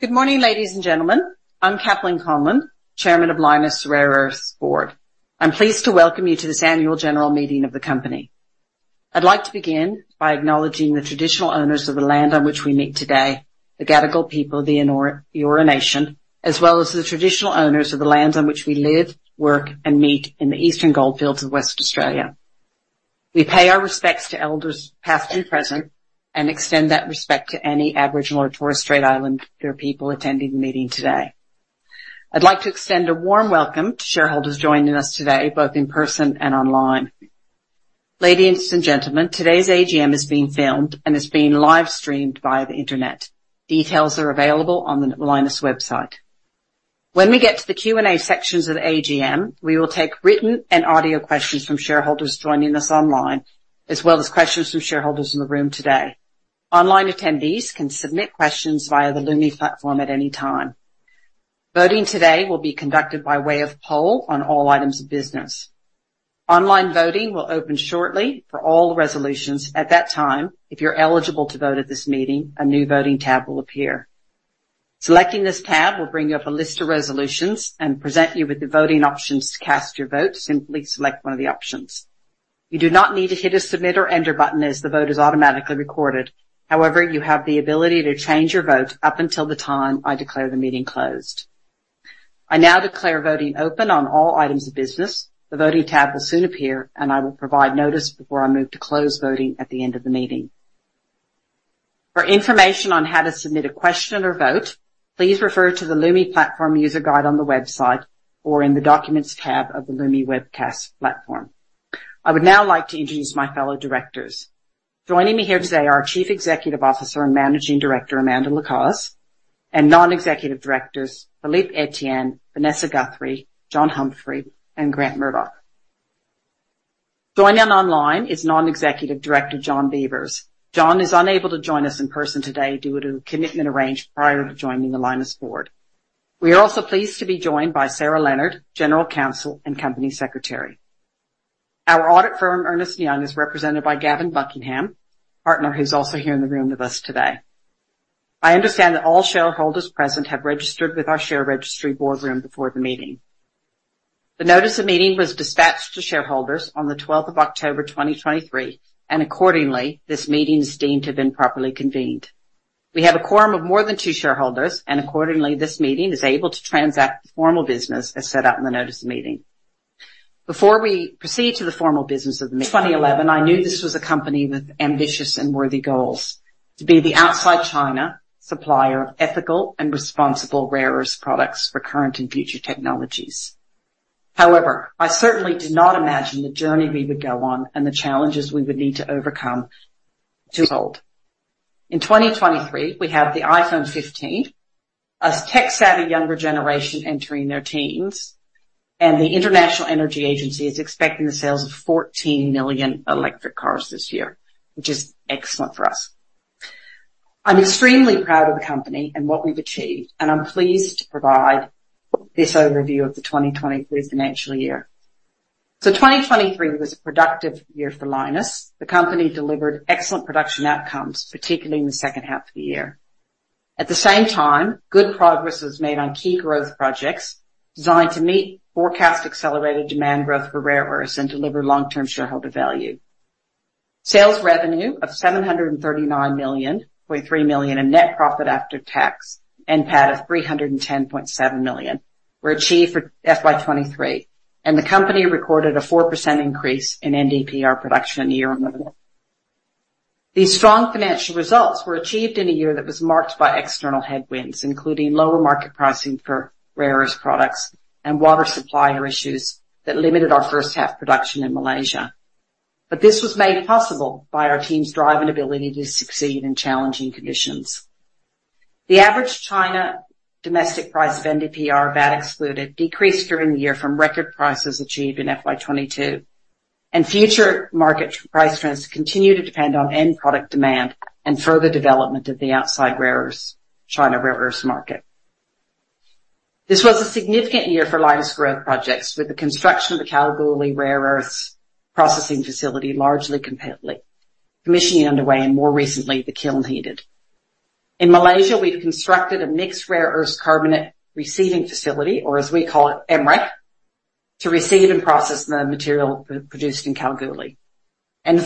Good morning, ladies and gentlemen. I'm Kathleen Conlon, Chairman of Lynas Rare Earths Board. I'm pleased to welcome you to this annual general meeting of the company. I'd like to begin by acknowledging the traditional owners of the land on which we meet today, the Gadigal people of the Eora Nation, as well as the traditional owners of the lands on which we live, work, and meet in the Eastern Goldfields of Western Australia. We pay our respects to elders, past and present, and extend that respect to any Aboriginal or Torres Strait Islander people attending the meeting today. I'd like to extend a warm welcome to shareholders joining us today, both in person and online. Ladies and gentlemen, today's AGM is being filmed and is being live-streamed via the Internet. Details are available on the Lynas website. When we get to the Q&A sections of the AGM, we will take written and audio questions from shareholders joining us online, as well as questions from shareholders in the room today. Online attendees can submit questions via the Lumi platform at any time. Voting today will be conducted by way of poll on all items of business. Online voting will open shortly for all the resolutions. At that time, if you're eligible to vote at this meeting, a new voting tab will appear. Selecting this tab will bring you up a list of resolutions and present you with the voting options to cast your vote, simply select one of the options. You do not need to hit a Submit or Enter button, as the vote is automatically recorded. However, you have the ability to change your vote up until the time I declare the meeting closed. I now declare voting open on all items of business. The voting tab will soon appear, and I will provide notice before I move to close voting at the end of the meeting. For information on how to submit a question or vote, please refer to the Lumi Platform User Guide on the website or in the Documents tab of the Lumi Webcast platform. I would now like to introduce my fellow directors. Joining me here today are our Chief Executive Officer and Managing Director, Amanda Lacaze, and Non-Executive Directors, Philippe Etienne, Vanessa Guthrie, John Humphrey, and Grant Murdoch. Joining us online is Non-Executive Director, John Beevers. John is unable to join us in person today due to a commitment arranged prior to joining the Lynas board. We are also pleased to be joined by Sarah Leonard, General Counsel and Company Secretary. Our audit firm, Ernst & Young, is represented by Gavin Buckingham, Partner, who's also here in the room with us today. I understand that all shareholders present have registered with our share registry Boardroom before the meeting. The notice of meeting was dispatched to shareholders on the October 12th, 2023, and accordingly, this meeting is deemed to have been properly convened. We have a quorum of more than two shareholders, and accordingly, this meeting is able to transact the formal business as set out in the notice of meeting. Before we proceed to the formal business of the meeting-- 2011, I knew this was a company with ambitious and worthy goals: to be the outside China supplier of ethical and responsible rare earth products for current and future technologies. However, I certainly did not imagine the journey we would go on and the challenges we would need to overcome to hold. In 2023, we have the iPhone 15, as tech-savvy younger generation entering their teens, and the International Energy Agency is expecting the sales of 14 million electric cars this year, which is excellent for us. I'm extremely proud of the company and what we've achieved, and I'm pleased to provide this overview of the 2023 financial year. So 2023 was a productive year for Lynas. The company delivered excellent production outcomes, particularly in the second half of the year. At the same time, good progress was made on key growth projects designed to meet forecast accelerated demand growth for rare earths and deliver long-term shareholder value. Sales revenue of 739.3 million and net profit after tax, NPAT of 310.7 million, were achieved for FY 2023, and the company recorded a 4% increase in NdPr production year-on-year. These strong financial results were achieved in a year that was marked by external headwinds, including lower market pricing for rare earth products and water supplier issues that limited our first half production in Malaysia. But this was made possible by our team's drive and ability to succeed in challenging conditions. The average China domestic price of NdPr, VAT excluded, decreased during the year from record prices achieved in FY 2022, and future market price trends continue to depend on end product demand and further development of the outside China rare earths market. This was a significant year for Lynas growth projects, with the construction of the Kalgoorlie Rare Earths Processing Facility largely completely, commissioning underway, and more recently, the kiln heated. In Malaysia, we've constructed a mixed rare earth carbonate receiving facility, or as we call it, MREC, to receive and process the material produced in Kalgoorlie.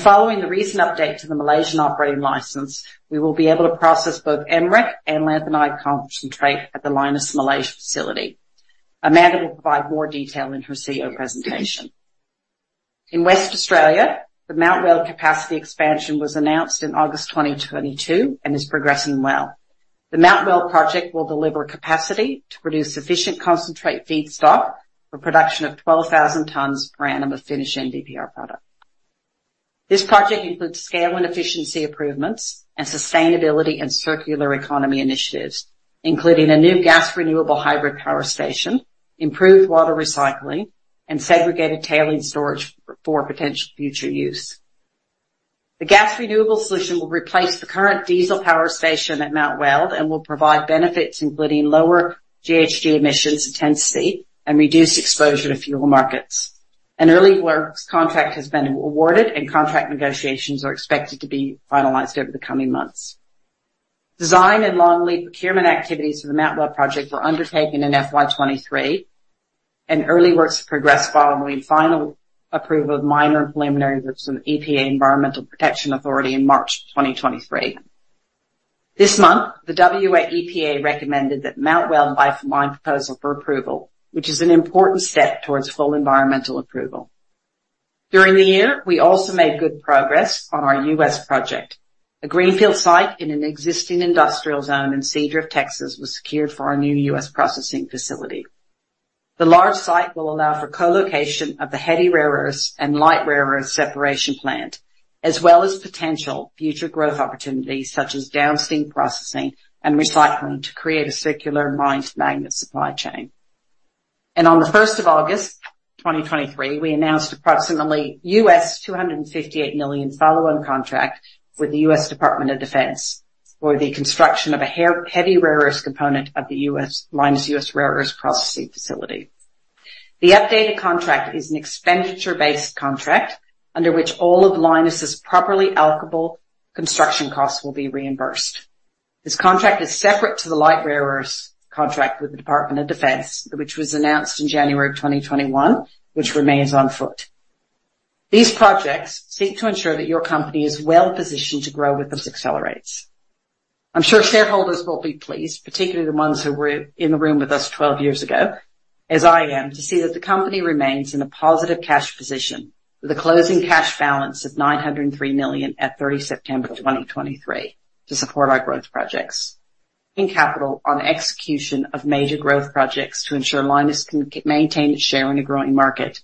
Following the recent update to the Malaysian operating license, we will be able to process both MREC and lanthanide concentrate at the Lynas Malaysia facility. Amanda will provide more detail in her CEO presentation. In West Australia, the Mount Weld capacity expansion was announced in August 2022 and is progressing well. The Mount Weld project will deliver capacity to produce sufficient concentrate feedstock for production of 12,000 tons per annum of finished NdPr product. This project includes scale and efficiency improvements and sustainability and circular economy initiatives, including a new gas renewable hybrid power station, improved water recycling, and segregated tailing storage for potential future use. The gas renewable solution will replace the current diesel power station at Mount Weld and will provide benefits, including lower GHG emissions intensity and reduced exposure to fuel markets. An early works contract has been awarded, and contract negotiations are expected to be finalized over the coming months. Design and long-lead procurement activities for the Mount Weld project were undertaken in FY 2023, and early works progressed following final approval of minor preliminary works from the EPA, Environmental Protection Authority, in March 2023. This month, the WA EPA recommended that Mount Weld mine proposal for approval, which is an important step towards full environmental approval. During the year, we also made good progress on our U.S. project. A greenfield site in an existing industrial zone in Seadrift, Texas was secured for our new U.S. processing facility. The large site will allow for co-location of the heavy rare earths and light rare earths separation plant, as well as potential future growth opportunities such as downstream processing and recycling, to create a circular mined magnet supply chain. On the August 1st, 2023, we announced approximately $258 million follow-on contract with the U.S. Department of Defense for the construction of a heavy rare earths component of the U.S., Lynas U.S. Rare Earths processing facility. The updated contract is an expenditure-based contract under which all of Lynas's properly allocable construction costs will be reimbursed. This contract is separate to the light rare earths contract with the Department of Defense, which was announced in January 2021, which remains on foot. These projects seek to ensure that your company is well positioned to grow as use accelerates. I'm sure shareholders will be pleased, particularly the ones who were in the room with us 12 years ago, as I am, to see that the company remains in a positive cash position, with a closing cash balance of 903 million at September 30, 2023, to support our growth projects. In capital on execution of major growth projects to ensure Lynas can maintain its share in a growing market.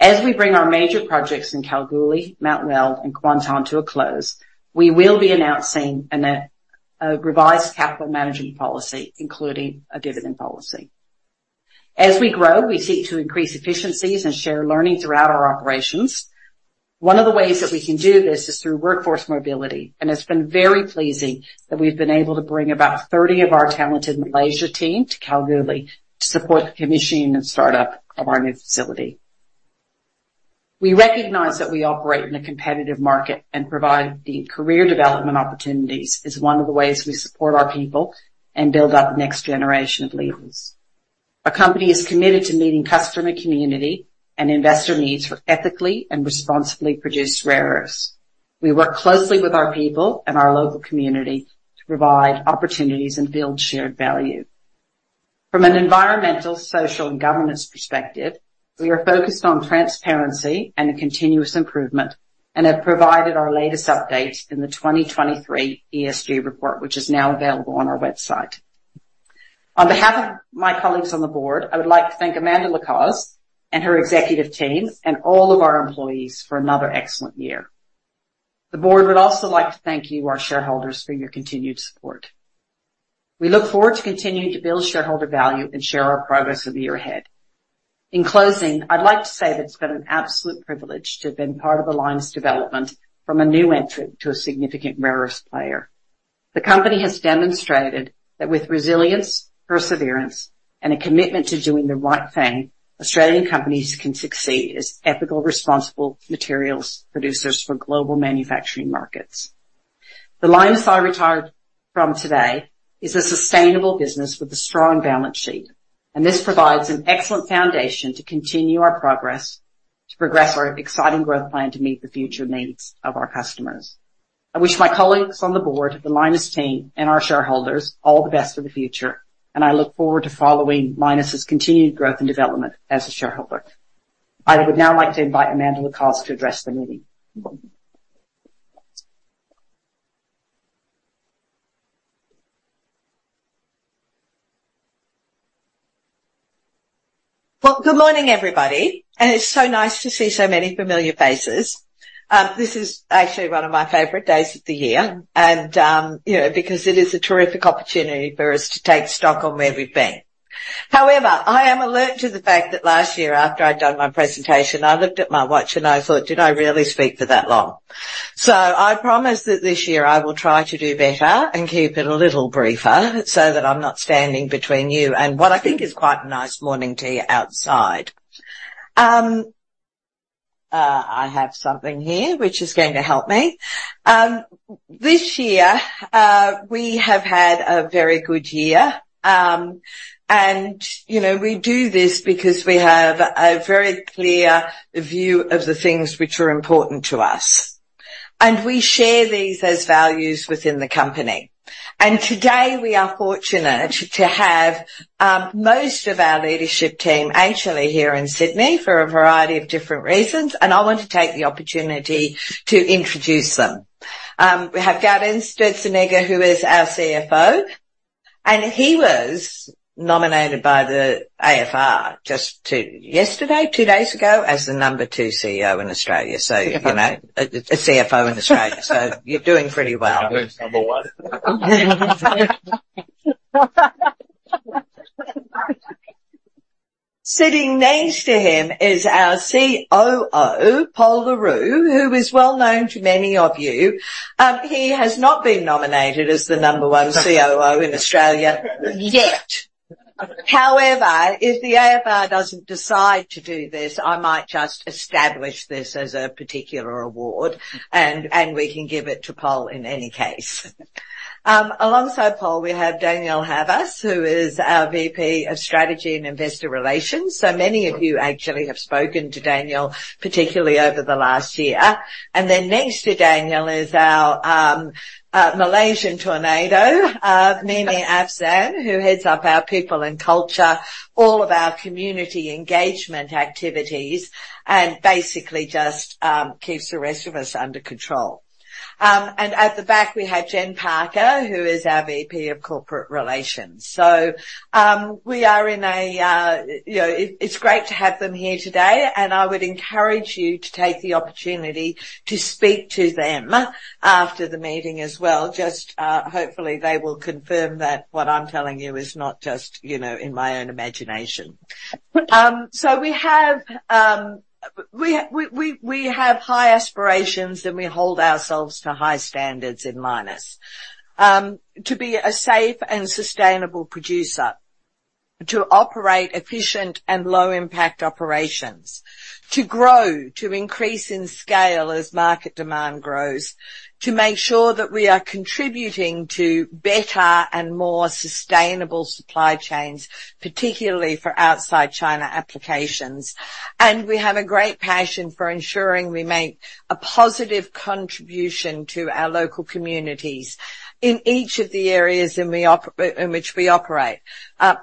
As we bring our major projects in Kalgoorlie, Mount Weld, and Kuantan to a close, we will be announcing an a revised capital management policy, including a dividend policy. As we grow, we seek to increase efficiencies and share learning throughout our operations. One of the ways that we can do this is through workforce mobility, and it's been very pleasing that we've been able to bring about 30 of our talented Malaysia team to Kalgoorlie to support commissioning and startup of our new facility. We recognize that we operate in a competitive market and providing the career development opportunities is one of the ways we support our people and build up the next generation of leaders. Our company is committed to meeting customer, community, and investor needs for ethically and responsibly produced rare earths. We work closely with our people and our local community to provide opportunities and build shared value. From an environmental, social, and governance perspective, we are focused on transparency and continuous improvement and have provided our latest update in the 2023 ESG report, which is now available on our website. On behalf of my colleagues on the board, I would like to thank Amanda Lacaze and her executive team, and all of our employees for another excellent year. The board would also like to thank you, our shareholders, for your continued support. We look forward to continuing to build shareholder value and share our progress over the year ahead. In closing, I'd like to say that it's been an absolute privilege to have been part of the Lynas development from a new entrant to a significant rare earths player. The company has demonstrated that with resilience, perseverance, and a commitment to doing the right thing, Australian companies can succeed as ethical, responsible materials producers for global manufacturing markets. The Lynas I retired from today is a sustainable business with a strong balance sheet, and this provides an excellent foundation to continue our progress, to progress our exciting growth plan to meet the future needs of our customers. I wish my colleagues on the board, the Lynas team, and our shareholders all the best for the future, and I look forward to following Lynas's continued growth and development as a shareholder. I would now like to invite Amanda Lacaze to address the meeting. Well, good morning, everybody, and it's so nice to see so many familiar faces. This is actually one of my favorite days of the year, and, you know, because it is a terrific opportunity for us to take stock on where we've been. However, I am alert to the fact that last year, after I'd done my presentation, I looked at my watch and I thought, "Did I really speak for that long?" So I promise that this year I will try to do better and keep it a little briefer, so that I'm not standing between you and what I think is quite a nice morning tea outside. I have something here which is going to help me. This year, we have had a very good year. you know, we do this because we have a very clear view of the things which are important to us, and we share these as values within the company. Today, we are fortunate to have most of our leadership team actually here in Sydney for a variety of different reasons, and I want to take the opportunity to introduce them. We have Gaudenz Sturzenegger, who is our CFO, and he was nominated by the AFR just yesterday, two days ago, as the number two CEO in Australia. So, you know- CFO. A CFO in Australia. So you're doing pretty well. Number one. Sitting next to him is our COO, Pol Le Roux, who is well known to many of you. He has not been nominated as the number one COO in Australia yet. However, if the AFR doesn't decide to do this, I might just establish this as a particular award, and we can give it to Pol in any case. Alongside Pol, we have Daniel Havas, who is our VP of Strategy and Investor Relations. So many of you actually have spoken to Daniel, particularly over the last year. Then next to Daniel is our Malaysian tornado, Mimi Afzan, who heads up our People and Culture, all of our community engagement activities, and basically just keeps the rest of us under control. And at the back, we have Jennifer Parker, who is our VP of Corporate Relations. So, we are in a, you know, it, it's great to have them here today, and I would encourage you to take the opportunity to speak to them after the meeting as well. Just, hopefully, they will confirm that what I'm telling you is not just, you know, in my own imagination. So we have high aspirations, and we hold ourselves to high standards in Lynas. To be a safe and sustainable producer, to operate efficient and low-impact operations, to grow, to increase in scale as market demand grows, to make sure that we are contributing to better and more sustainable supply chains, particularly for outside China applications. And we have a great passion for ensuring we make a positive contribution to our local communities in each of the areas in which we operate.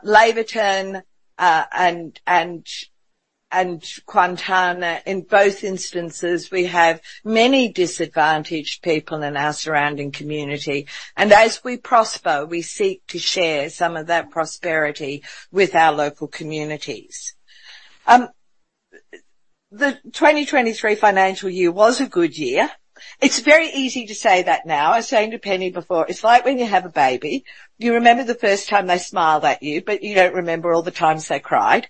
Laverton and Kuantan, in both instances, we have many disadvantaged people in our surrounding community, and as we prosper, we seek to share some of that prosperity with our local communities. The 2023 financial year was a good year. It's very easy to say that now. I was saying to Penny before, it's like when you have a baby, you remember the first time they smiled at you, but you don't remember all the times they cried.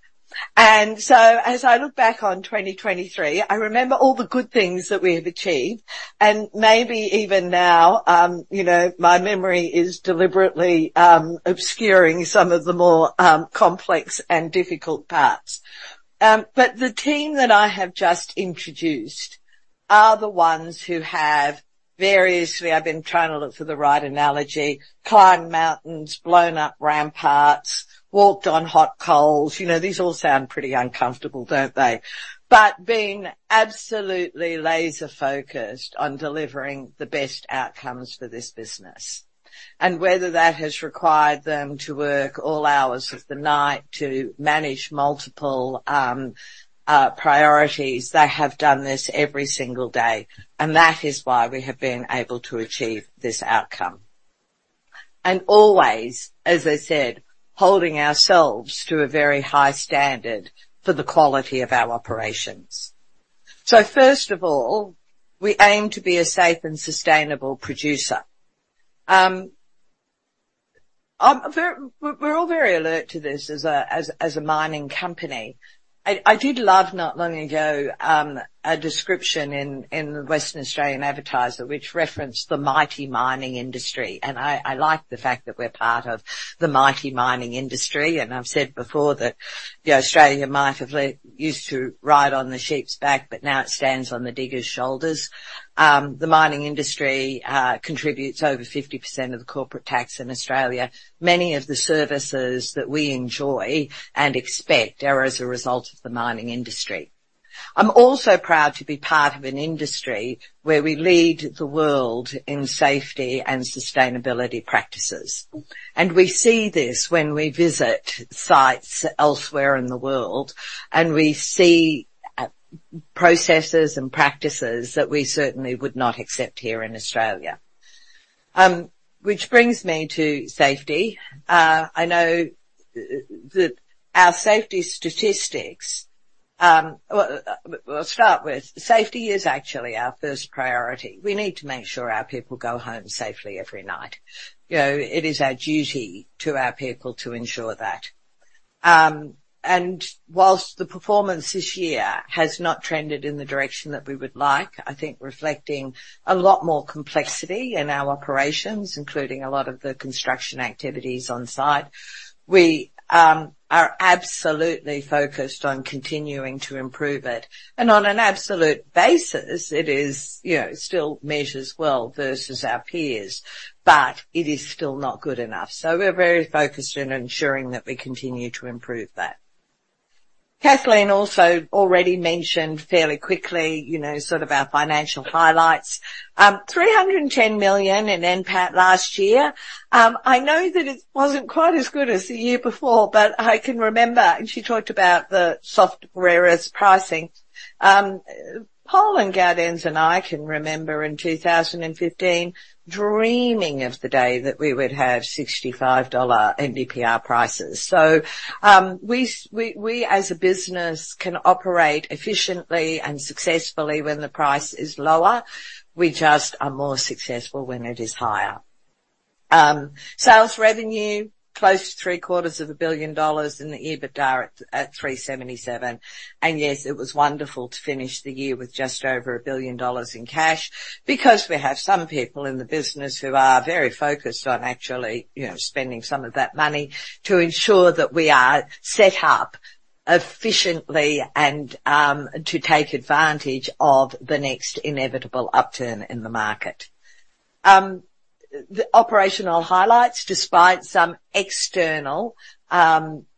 And so as I look back on 2023, I remember all the good things that we have achieved, and maybe even now, you know, my memory is deliberately obscuring some of the more complex and difficult parts. But the team that I have just introduced are the ones who have variously, I've been trying to look for the right analogy, climbed mountains, blown up ramparts, walked on hot coals. You know, these all sound pretty uncomfortable, don't they? But been absolutely laser-focused on delivering the best outcomes for this business. And whether that has required them to work all hours of the night to manage multiple priorities, they have done this every single day, and that is why we have been able to achieve this outcome. And always, as I said, holding ourselves to a very high standard for the quality of our operations. So first of all, we aim to be a safe and sustainable producer. We're all very alert to this as a mining company. I did love, not long ago, a description in The West Australian advertiser, which referenced the mighty mining industry, and I like the fact that we're part of the mighty mining industry. And I've said before that the Australian might have used to ride on the sheep's back, but now it stands on the digger's shoulders. The mining industry contributes over 50% of the corporate tax in Australia. Many of the services that we enjoy and expect are as a result of the mining industry. I'm also proud to be part of an industry where we lead the world in safety and sustainability practices, and we see this when we visit sites elsewhere in the world, and we see processes and practices that we certainly would not accept here in Australia. Which brings me to safety. I know that our safety statistics, let's start with safety is actually our first priority. We need to make sure our people go home safely every night. You know, it is our duty to our people to ensure that. And while the performance this year has not trended in the direction that we would like, I think reflecting a lot more complexity in our operations, including a lot of the construction activities on site, we are absolutely focused on continuing to improve it. And on an absolute basis, it is, you know, still measures well versus our peers, but it is still not good enough. So we're very focused on ensuring that we continue to improve that. Kathleen also already mentioned fairly quickly, you know, sort of our financial highlights. 310 million in NPAT last year. I know that it wasn't quite as good as the year before, but I can remember, and she talked about the soft rare earth pricing. Pol and Gaudenz and I can remember in 2015, dreaming of the day that we would have $65 NdPr prices. So, we as a business can operate efficiently and successfully when the price is lower. We just are more successful when it is higher. Sales revenue close to 750 million dollars, and the EBITDA at 377 million. And yes, it was wonderful to finish the year with just over 1 billion dollars in cash, because we have some people in the business who are very focused on actually, you know, spending some of that money to ensure that we are set up efficiently and to take advantage of the next inevitable upturn in the market. The operational highlights, despite some external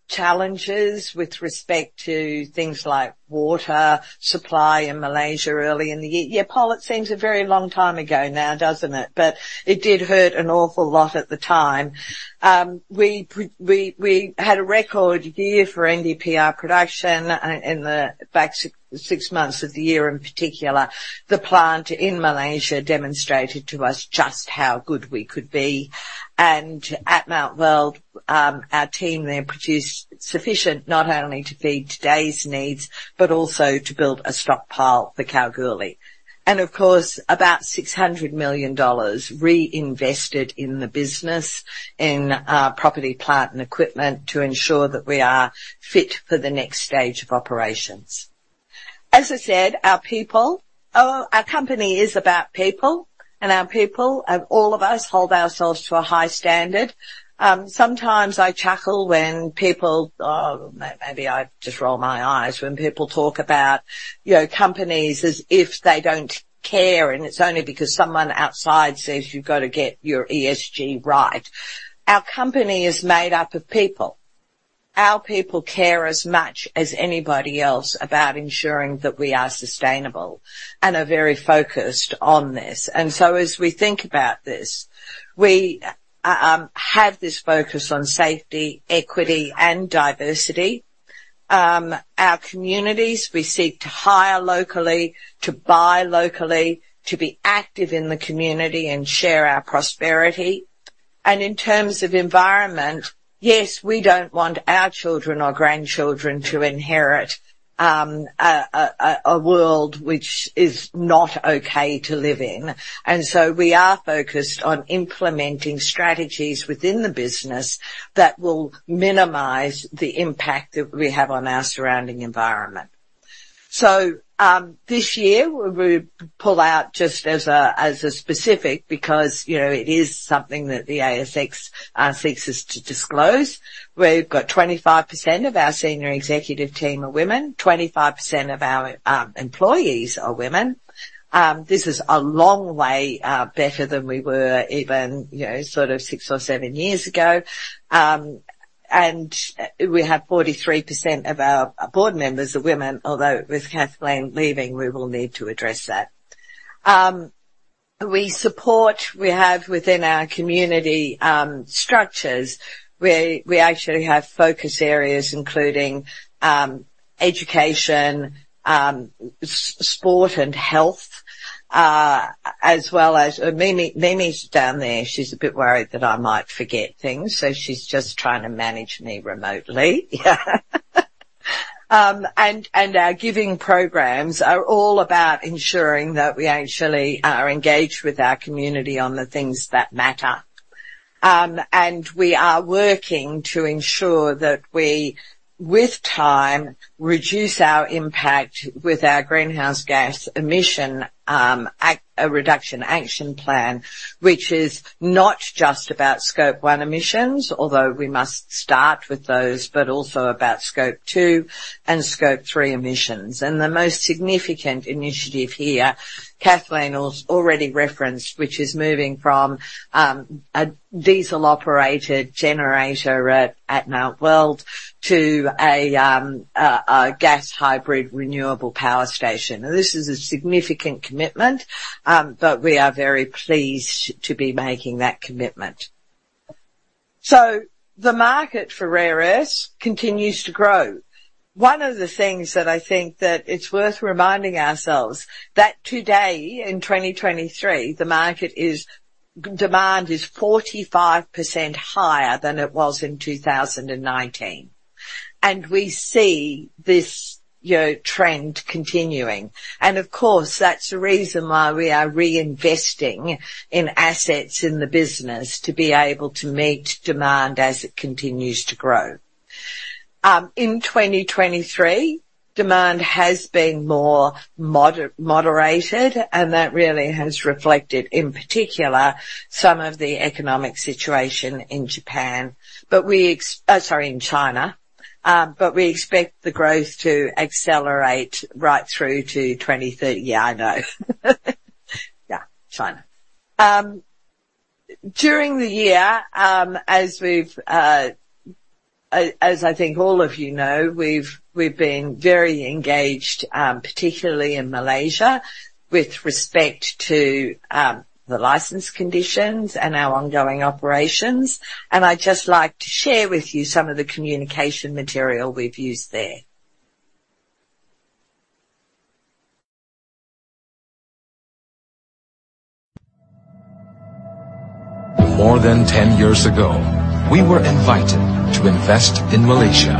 challenges with respect to things like water supply in Malaysia early in the year. Yeah, Pol, it seems a very long time ago now, doesn't it? But it did hurt an awful lot at the time. We had a record year for NdPr production in the back six months of the year in particular. The plant in Malaysia demonstrated to us just how good we could be. At Mount Weld, our team there produced sufficient, not only to meet today's needs, but also to build a stockpile for Kalgoorlie. Of course, about 600 million dollars reinvested in the business, in property, plant, and equipment, to ensure that we are fit for the next stage of operations. As I said, our people, our company is about people, and our people, and all of us hold ourselves to a high standard. Sometimes I chuckle when people, maybe I just roll my eyes when people talk about, you know, companies as if they don't care, and it's only because someone outside says, "You've got to get your ESG right." Our company is made up of people. Our people care as much as anybody else about ensuring that we are sustainable and are very focused on this. And so, as we think about this, we have this focus on safety, equity, and diversity. Our communities, we seek to hire locally, to buy locally, to be active in the community and share our prosperity. And in terms of environment, yes, we don't want our children or grandchildren to inherit a world which is not okay to live in. And so we are focused on implementing strategies within the business that will minimize the impact that we have on our surrounding environment. So, this year, we pull out just as a specific, because, you know, it is something that the ASX seeks us to disclose. We've got 25% of our senior executive team are women, 25% of our employees are women. This is a long way better than we were, even, you know, sort of six or seven years ago. And we have 43% of our board members are women, although with Kathleen leaving, we will need to address that. We support, we have within our community structures, where we actually have focus areas, including education, sport and health, as well as Mimi. Mimi's down there. She's a bit worried that I might forget things, so she's just trying to manage me remotely. And our giving programs are all about ensuring that we actually are engaged with our community on the things that matter. And we are working to ensure that we, with time, reduce our impact with our greenhouse gas emission, reduction action plan, which is not just about Scope 1 emissions, although we must start with those, but also about Scope 2 and Scope 3 emissions. And the most significant initiative here, Kathleen has already referenced, which is moving from a diesel-operated generator at Mount Weld to a gas hybrid renewable power station. Now, this is a significant commitment, but we are very pleased to be making that commitment. So the market for rare earths continues to grow. One of the things that I think that it's worth reminding ourselves that today, in 2023, the market is, demand is 45% higher than it was in 2019. And we see this, you know, trend continuing. And of course, that's the reason why we are reinvesting in assets in the business to be able to meet demand as it continues to grow. In 2023, demand has been more moderated, and that really has reflected, in particular, some of the economic situation in Japan. But sorry, in China, but we expect the growth to accelerate right through to 2030. During the year, as I think all of you know, we've been very engaged, particularly in Malaysia, with respect to the license conditions and our ongoing operations. And I'd just like to share with you some of the communication material we've used there. Years ago, we were invited to invest in Malaysia.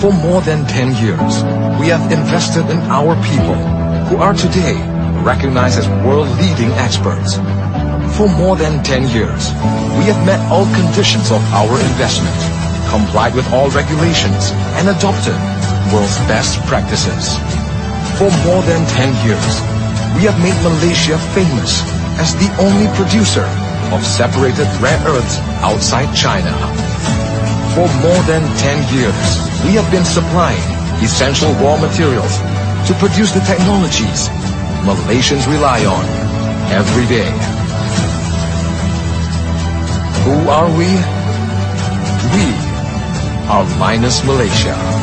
For more than 10 years, we have invested in our people, who are today recognized as world-leading experts. For more than 10 years, we have met all conditions of our investment, complied with all regulations, and adopted world's best practices. For more than 10 years, we have made Malaysia famous as the only producer of separated rare earths outside China. For more than 10 years, we have been supplying essential raw materials to produce the technologies Malaysians rely on every day. Who are we? We are Lynas Malaysia.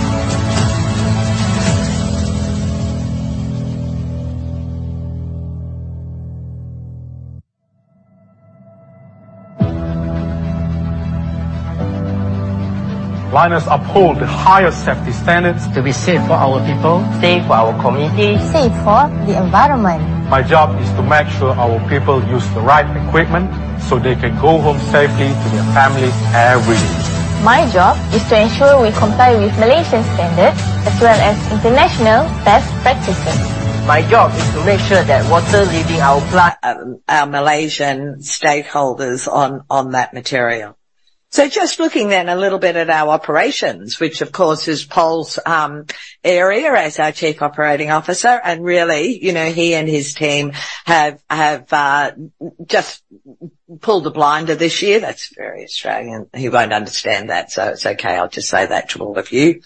Lynas uphold the highest safety standards. To be safe for our people. Safe for our community. Safe for the environment. My job is to make sure our people use the right equipment, so they can go home safely to their families every day. My job is to ensure we comply with Malaysian standards as well as international best practices. My job is to make sure that water leaving our plant - our Malaysian stakeholders on that material. So just looking then a little bit at our operations, which of course is Pol's area as our Chief Operating Officer. And really, you know, he and his team have just pulled a blinder this year. That's very Australian. He won't understand that, so it's okay, I'll just say that to all of you.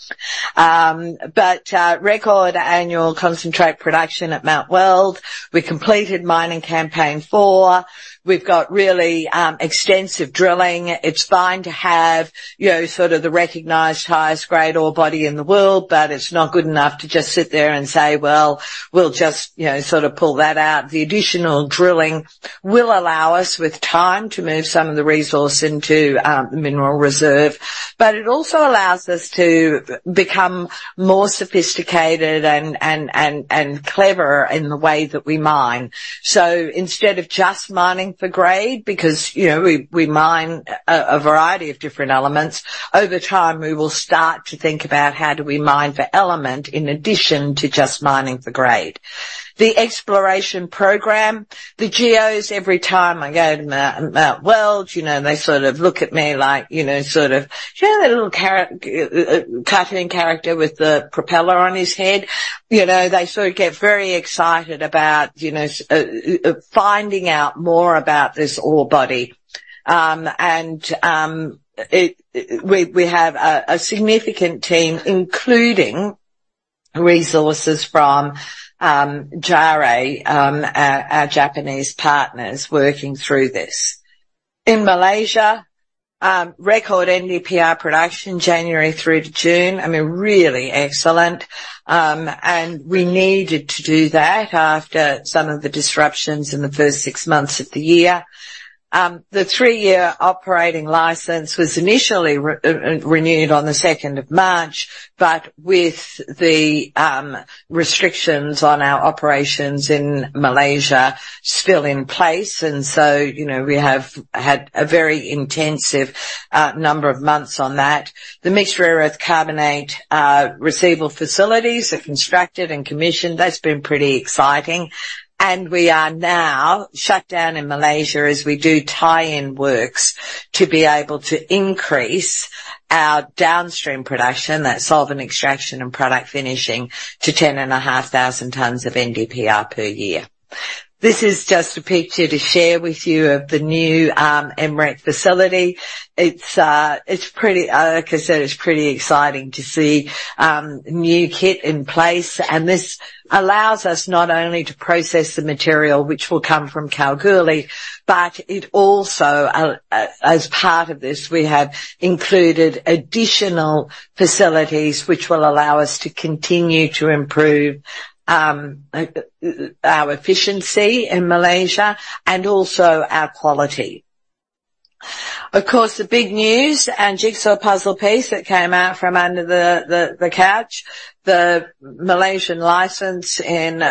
But record annual concentrate production at Mount Weld. We completed mining campaign 4. We've got really extensive drilling. It's fine to have, you know, sort of the recognized highest grade ore body in the world, but it's not good enough to just sit there and say: Well, we'll just, you know, sort of pull that out. The additional drilling will allow us, with time, to move some of the resource into mineral reserve, but it also allows us to become more sophisticated and cleverer in the way that we mine. So instead of just mining for grade, because, you know, we mine a variety of different elements, over time, we will start to think about how do we mine for element in addition to just mining for grade. The exploration program, the geos, every time I go to Mount Weld, you know, they sort of look at me like, you know, sort of, you know, that little cartoon character with the propeller on his head? You know, they sort of get very excited about, you know, finding out more about this ore body. And we have a significant team, including resources from JARE, our Japanese partners, working through this. In Malaysia, record NdPr production, January through to June. I mean, really excellent. And we needed to do that after some of the disruptions in the first six months of the year. The three-year operating license was initially renewed on the March 2nd, but with the restrictions on our operations in Malaysia still in place, and so, you know, we have had a very intensive number of months on that. The mixed rare earth carbonate receivable facilities are constructed and commissioned. That's been pretty exciting, and we are now shut down in Malaysia as we do tie-in works to be able to increase our downstream production, that solvent extraction and product finishing, to 10,500 tons of NdPr per year. This is just a picture to share with you of the new MREC facility. It's pretty, like I said, it's pretty exciting to see new kit in place, and this allows us not only to process the material which will come from Kalgoorlie, but it also as part of this, we have included additional facilities which will allow us to continue to improve our efficiency in Malaysia and also our quality. Of course, the big news and jigsaw puzzle piece that came out from under the couch, the Malaysian license in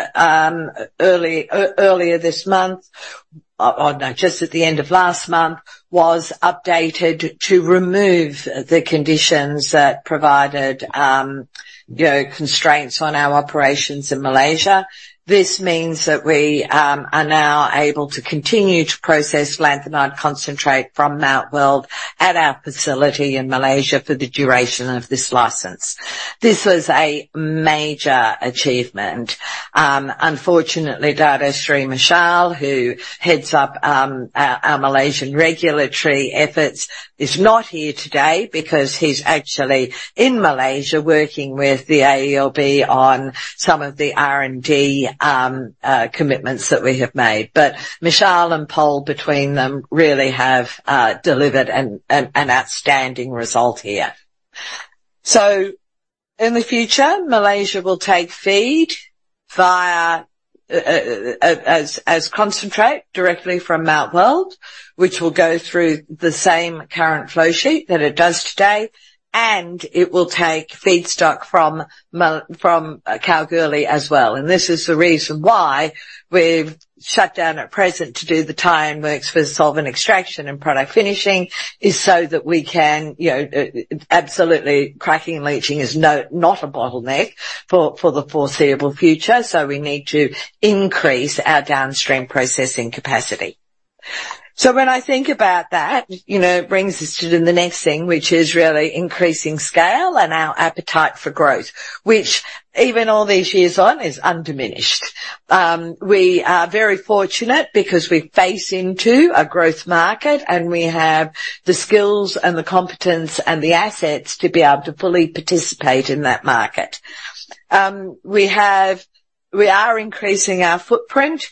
early, earlier this month, or no, just at the end of last month, was updated to remove the conditions that provided you know, constraints on our operations in Malaysia. This means that we are now able to continue to process lanthanide concentrate from Mount Weld at our facility in Malaysia for the duration of this license. This was a major achievement. Unfortunately, Dato' Sri Mashal, who heads up our Malaysian regulatory efforts, is not here today because he's actually in Malaysia, working with the AELB on some of the R&D commitments that we have made. But Mashal and Pol, between them, really have delivered an outstanding result here. So in the future, Malaysia will take feed as concentrate directly from Mount Weld, which will go through the same current flow sheet that it does today, and it will take feedstock from Kalgoorlie as well. And this is the reason why we've shut down at present to do the tie-in works for the solvent extraction and product finishing, is so that we can, you know, absolutely, cracking and leaching is not a bottleneck for the foreseeable future, so we need to increase our downstream processing capacity. So when I think about that, you know, it brings us to the next thing, which is really increasing scale and our appetite for growth, which even all these years on, is undiminished. We are very fortunate because we face into a growth market, and we have the skills and the competence and the assets to be able to fully participate in that market. We are increasing our footprint,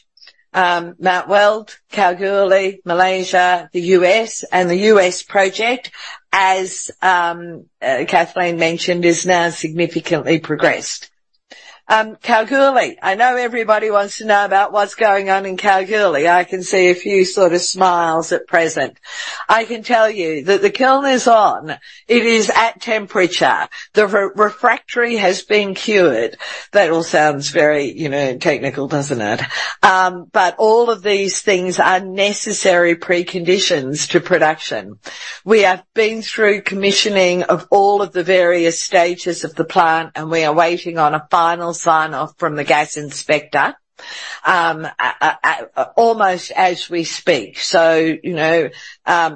Mount Weld, Kalgoorlie, Malaysia, the U.S. And the U.S. project, as Kathleen mentioned, is now significantly progressed. Kalgoorlie. I know everybody wants to know about what's going on in Kalgoorlie. I can see a few sort of smiles at present. I can tell you that the kiln is on. It is at temperature. The refractory has been cured. That all sounds very, you know, technical, doesn't it? But all of these things are necessary preconditions to production. We have been through commissioning of all of the various stages of the plant, and we are waiting on a final sign-off from the gas inspector, almost as we speak. So, you know,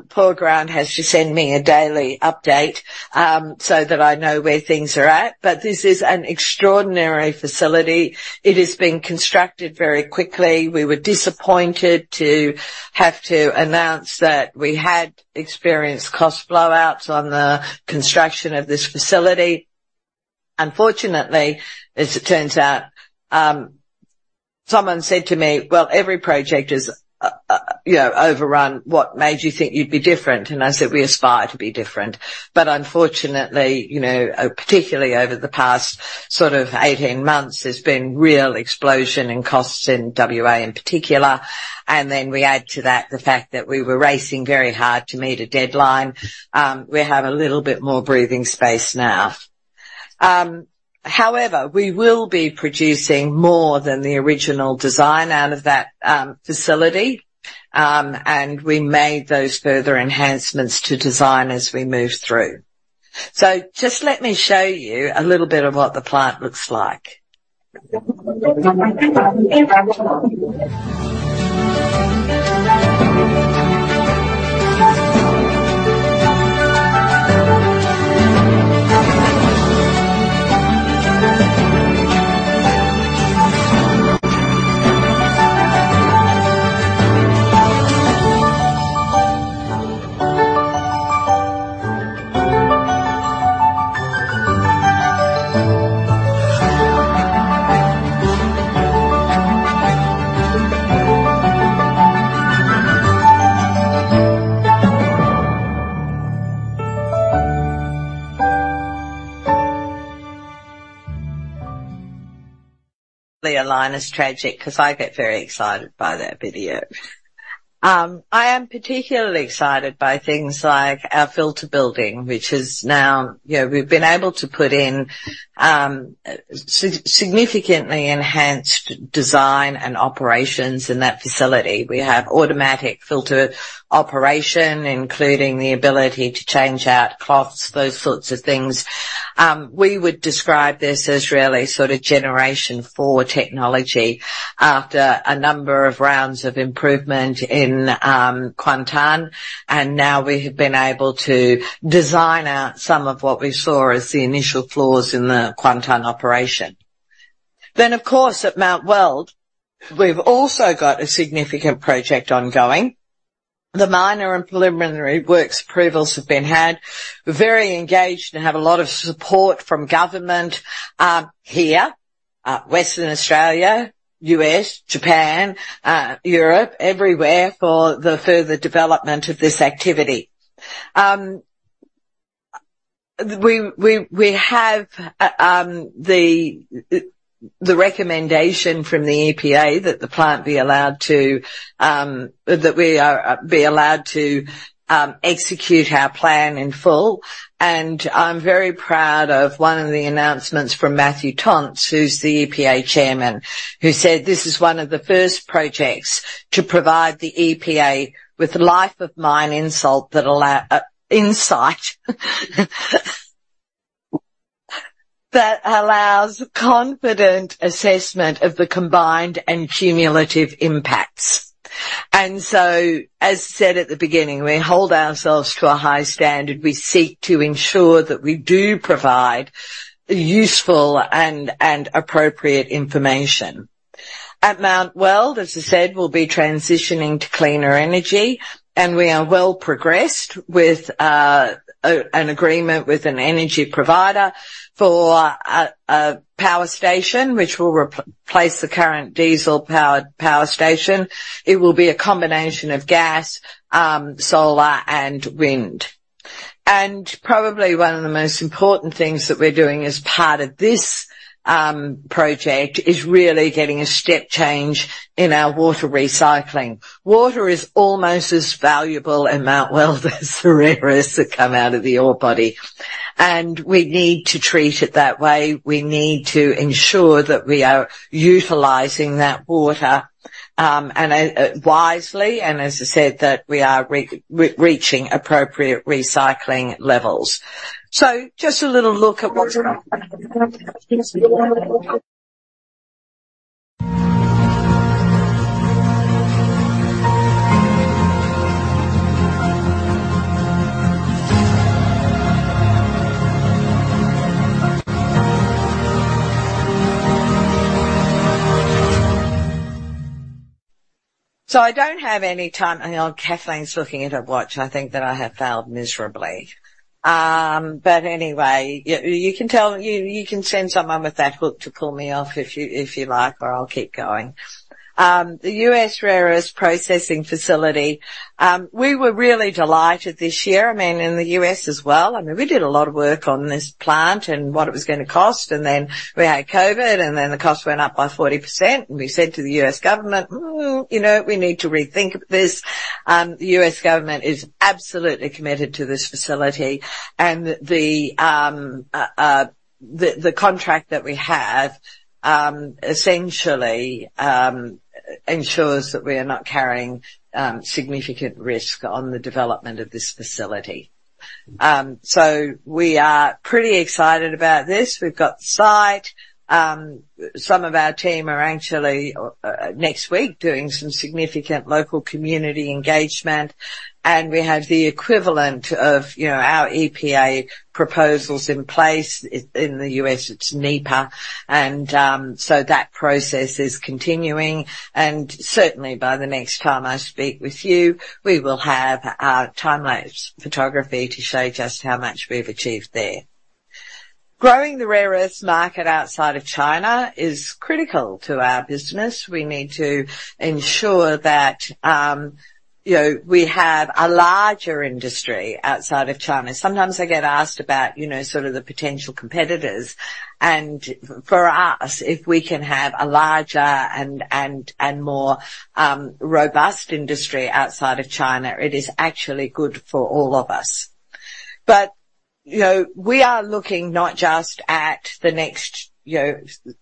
poor Grant has to send me a daily update, so that I know where things are at. But this is an extraordinary facility. It is being constructed very quickly. We were disappointed to have to announce that we had experienced cost blowouts on the construction of this facility. Unfortunately, as it turns out, someone said to me, "Well, every project is, you know, overrun. What made you think you'd be different?" And I said, "We aspire to be different." But unfortunately, you know, particularly over the past sort of 18 months, there's been real explosion in costs in WA in particular. And then we add to that the fact that we were racing very hard to meet a deadline. We have a little bit more breathing space now. However, we will be producing more than the original design out of that facility, and we made those further enhancements to design as we moved through. So just let me show you a little bit of what the plant looks like. The line is tragic because I get very excited by that video. I am particularly excited by things like our filter building, which is now... You know, we've been able to put in significantly enhanced design and operations in that facility. We have automatic filter operation, including the ability to change out cloths, those sorts of things. We would describe this as really sort of 4th-generation technology after a number of rounds of improvement in Kuantan, and now we have been able to design out some of what we saw as the initial flaws in the Kuantan operation. Then, of course, at Mount Weld, we've also got a significant project ongoing. The minor and preliminary works approvals have been had. We're very engaged and have a lot of support from government here, Western Australia, U.S., Japan, Europe, everywhere, for the further development of this activity. We have the recommendation from the EPA that the plant be allowed to, that we be allowed to, execute our plan in full. I'm very proud of one of the announcements from Matthew Tonts, who's the EPA Chairman, who said, "This is one of the first projects to provide the EPA with life-of-mine input that allow insight that allows confident assessment of the combined and cumulative impacts." So, as said at the beginning, we hold ourselves to a high standard. We seek to ensure that we do provide useful and appropriate information. At Mount Weld, as I said, we'll be transitioning to cleaner energy, and we are well progressed with an agreement with an energy provider for a power station, which will replace the current diesel-powered power station. It will be a combination of gas, solar, and wind. And probably one of the most important things that we're doing as part of this project is really getting a step change in our water recycling. Water is almost as valuable in Mount Weld as the rare earths that come out of the ore body, and we need to treat it that way. We need to ensure that we are utilizing that water and wisely, and as I said, that we are re-reaching appropriate recycling levels. So just a little look at what's wrong. So I don't have any time, and Kathleen's looking at her watch. I think that I have failed miserably. But anyway, you can tell you can send someone with that hook to pull me off if you like, or I'll keep going. The U.S. rare earths processing facility. We were really delighted this year, I mean, in the U.S. as well. I mean, we did a lot of work on this plant and what it was gonna cost, and then we had COVID, and then the cost went up by 40%. We said to the U.S. government, "you know, we need to rethink this." The U.S. government is absolutely committed to this facility, and the contract that we have essentially ensures that we are not carrying significant risk on the development of this facility. So we are pretty excited about this. We've got the site. Some of our team are actually next week doing some significant local community engagement, and we have the equivalent of, you know, our EPA proposals in place. In the U.S., it's NEPA. So that process is continuing, and certainly by the next time I speak with you, we will have our time-lapse photography to show just how much we've achieved there. Growing the rare earths market outside of China is critical to our business. We need to ensure that, you know, we have a larger industry outside of China. Sometimes I get asked about, you know, sort of the potential competitors. For us, if we can have a larger and more robust industry outside of China, it is actually good for all of us. But, you know, we are looking not just at the next, you know,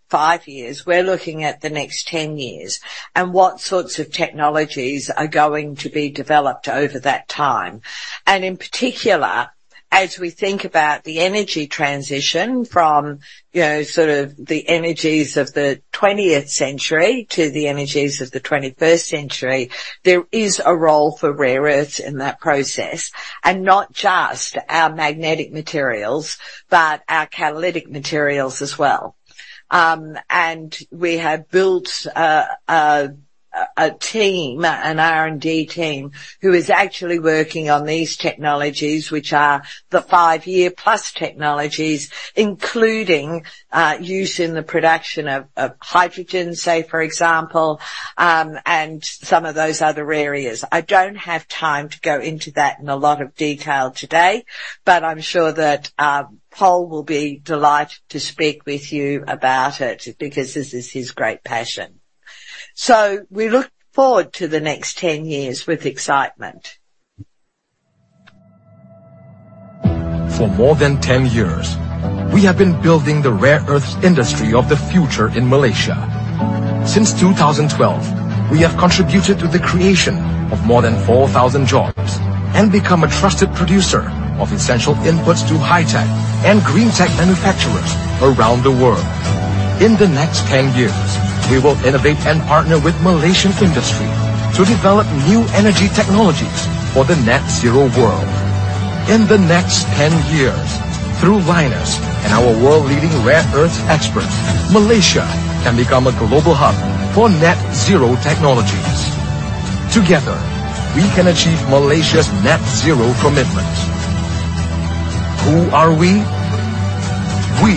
five years, we're looking at the next 10 years and what sorts of technologies are going to be developed over that time. In particular, as we think about the energy transition from, you know, sort of the energies of the 20th century to the energies of the 21st century, there is a role for rare earths in that process, and not just our magnetic materials, but our catalytic materials as well. We have built a team, an R&D team, who is actually working on these technologies, which are the five-year-plus technologies, including use in the production of hydrogen, say, for example, and some of those other areas. I don't have time to go into that in a lot of detail today, but I'm sure that Pol will be delighted to speak with you about it, because this is his great passion. We look forward to the next 10 years with excitement. For more than 10 years, we have been building the rare earths industry of the future in Malaysia. Since 2012, we have contributed to the creation of more than 4,000 jobs and become a trusted producer of essential inputs to high-tech and green-tech manufacturers around the world. In the next 10 years, we will innovate and partner with Malaysian industry to develop new energy technologies for the net zero world. In the next 10 years, through Lynas and our world-leading rare earths experts, Malaysia can become a global hub for net zero technologies. Together, we can achieve Malaysia's net zero commitment. Who are we? We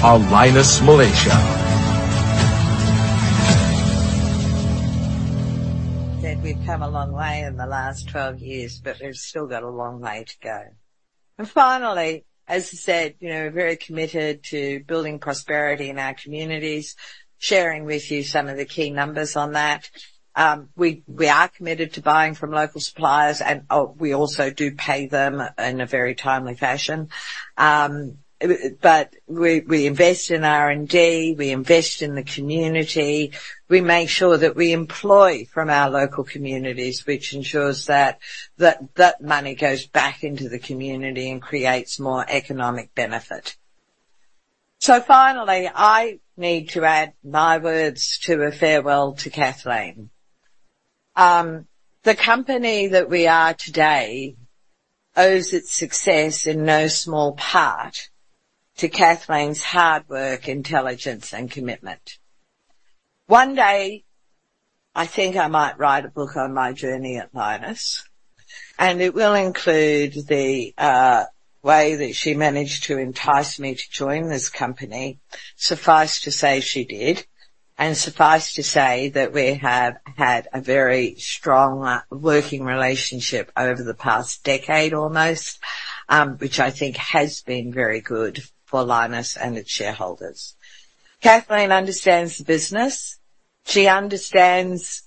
are Lynas Malaysia. That we've come a long way in the last 12 years, but we've still got a long way to go. And finally, as I said, you know, we're very committed to building prosperity in our communities, sharing with you some of the key numbers on that. We are committed to buying from local suppliers, and we also do pay them in a very timely fashion. But we invest in R&D, we invest in the community. We make sure that we employ from our local communities, which ensures that money goes back into the community and creates more economic benefit. So finally, I need to add my words to a farewell to Kathleen. The company that we are today owes its success in no small part to Kathleen's hard work, intelligence, and commitment. One day, I think I might write a book on my journey at Lynas, and it will include the way that she managed to entice me to join this company. Suffice to say, she did, and suffice to say that we have had a very strong working relationship over the past decade, almost, which I think has been very good for Lynas and its shareholders. Kathleen understands the business. She understands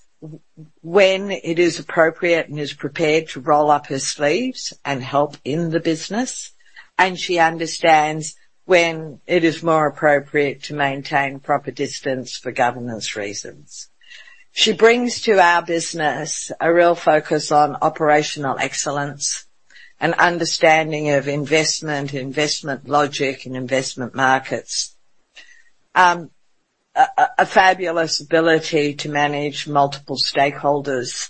when it is appropriate and is prepared to roll up her sleeves and help in the business, and she understands when it is more appropriate to maintain proper distance for governance reasons. She brings to our business a real focus on operational excellence and understanding of investment, investment logic, and investment markets. A fabulous ability to manage multiple stakeholders.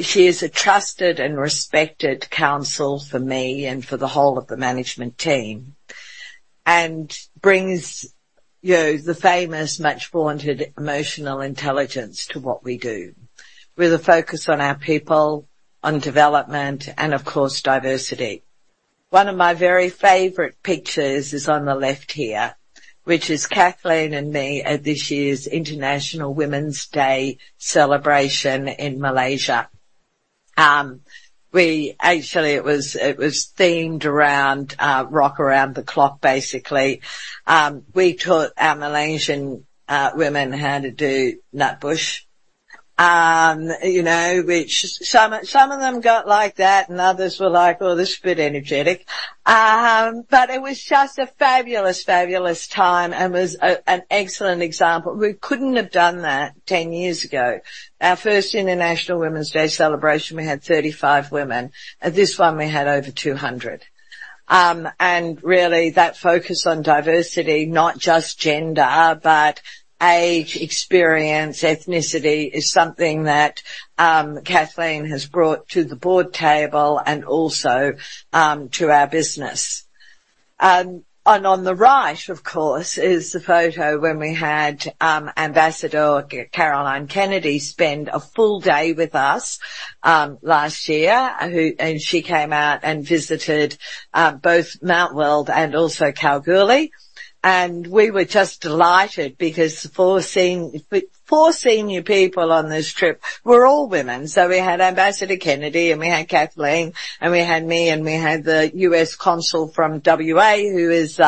She is a trusted and respected counsel for me and for the whole of the management team, and brings, you know, the famous much-vaunted emotional intelligence to what we do, with a focus on our people, on development, and of course, diversity. One of my very favorite pictures is on the left here, which is Kathleen and me at this year's International Women's Day celebration in Malaysia. Actually, it was themed around rock around the clock, basically. We taught our Malaysian women how to do Nutbush, you know, which some of them got like that, and others were like: "Oh, this is a bit energetic." But it was just a fabulous, fabulous time and was an excellent example. We couldn't have done that 10 years ago. Our first International Women's Day celebration, we had 35 women. At this one, we had over 200. Really, that focus on diversity, not just gender, but age, experience, ethnicity, is something that Kathleen has brought to the board table and also to our business. On the right, of course, is the photo when we had Ambassador Caroline Kennedy spend a full day with us last year. She came out and visited both Mount Weld and Kalgoorlie. We were just delighted because the four senior people on this trip were all women. We had Ambassador Kennedy, and we had Kathleen, and we had me, and we had the U.S. Consul from WA, who is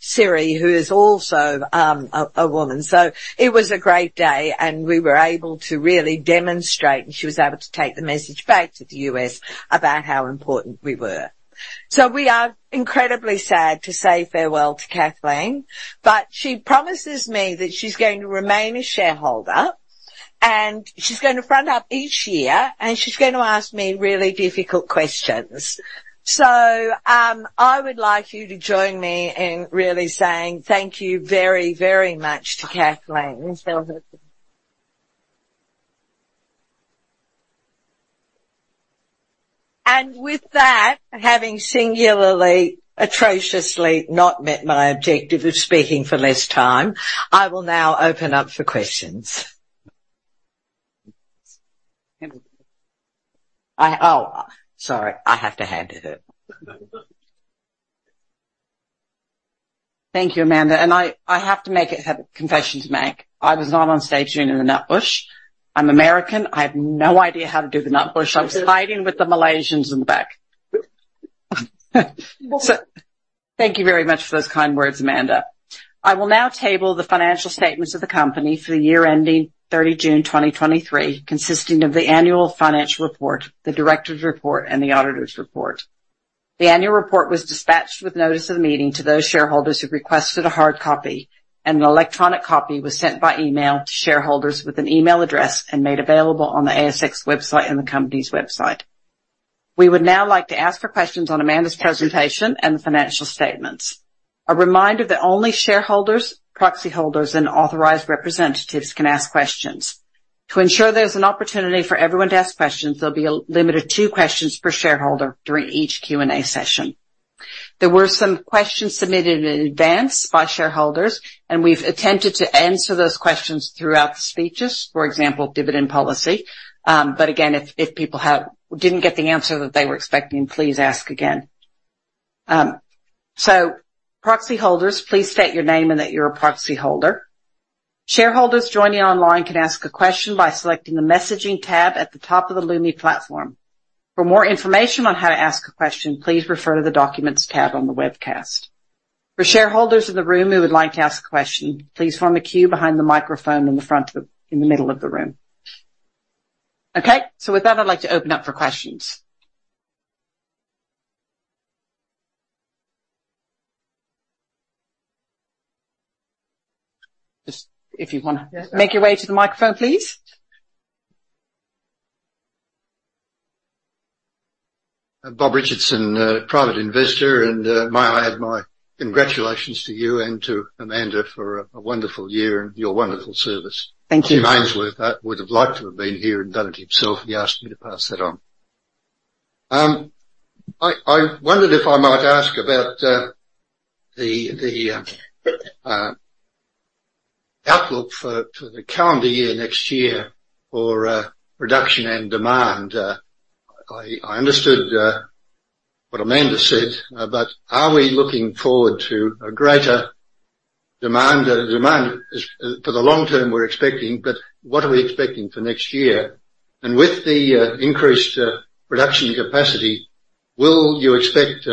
Siri, who is also a woman. So it was a great day, and we were able to really demonstrate, and she was able to take the message back to the U.S. about how important we were. So we are incredibly sad to say farewell to Kathleen, but she promises me that she's going to remain a shareholder, and she's gonna front up each year, and she's going to ask me really difficult questions. So, I would like you to join me in really saying thank you very, very much to Kathleen. And with that, having singularly, atrociously, not met my objective of speaking for less time, I will now open up for questions. I... Oh, sorry, I have to hand it to her. Thank you, Amanda, and I have to make a confession to make. I was not on stage doing the Nutbush. I'm American. I have no idea how to do the Nutbush. I was hiding with the Malaysians in the back. So thank you very much for those kind words, Amanda. I will now table the financial statements of the company for the year ending June 30, 2023, consisting of the annual financial report, the directors' report, and the auditor's report. The annual report was dispatched with notice of the meeting to those shareholders who requested a hard copy, and an electronic copy was sent by email to shareholders with an email address and made available on the ASX website and the company's website. We would now like to ask for questions on Amanda's presentation and the financial statements. A reminder that only shareholders, proxy holders, and authorized representatives can ask questions. To ensure there's an opportunity for everyone to ask questions, there'll be a limit of two questions per shareholder during each Q&A session. There were some questions submitted in advance by shareholders, and we've attempted to answer those questions throughout the speeches, for example, dividend policy. But again, if people didn't get the answer that they were expecting, please ask again. So proxy holders, please state your name and that you're a proxy holder. Shareholders joining online can ask a question by selecting the messaging tab at the top of the Lumi platform. For more information on how to ask a question, please refer to the Documents tab on the webcast. For shareholders in the room who would like to ask a question, please form a queue behind the microphone in the middle of the room. Okay, so with that, I'd like to open up for questions. Just if you wanna make your way to the microphone, please. Bob Richardson, Private Investor, and may I add my congratulations to you and to Amanda for a wonderful year and your wonderful service. Thank you. Jim Ainsworth would have liked to have been here and done it himself. He asked me to pass that on. I wondered if I might ask about the outlook for the calendar year next year for reduction and demand. I understood what Amanda said, but are we looking forward to a greater demand? The demand is for the long term we're expecting, but what are we expecting for next year? And with the increased production capacity, will you expect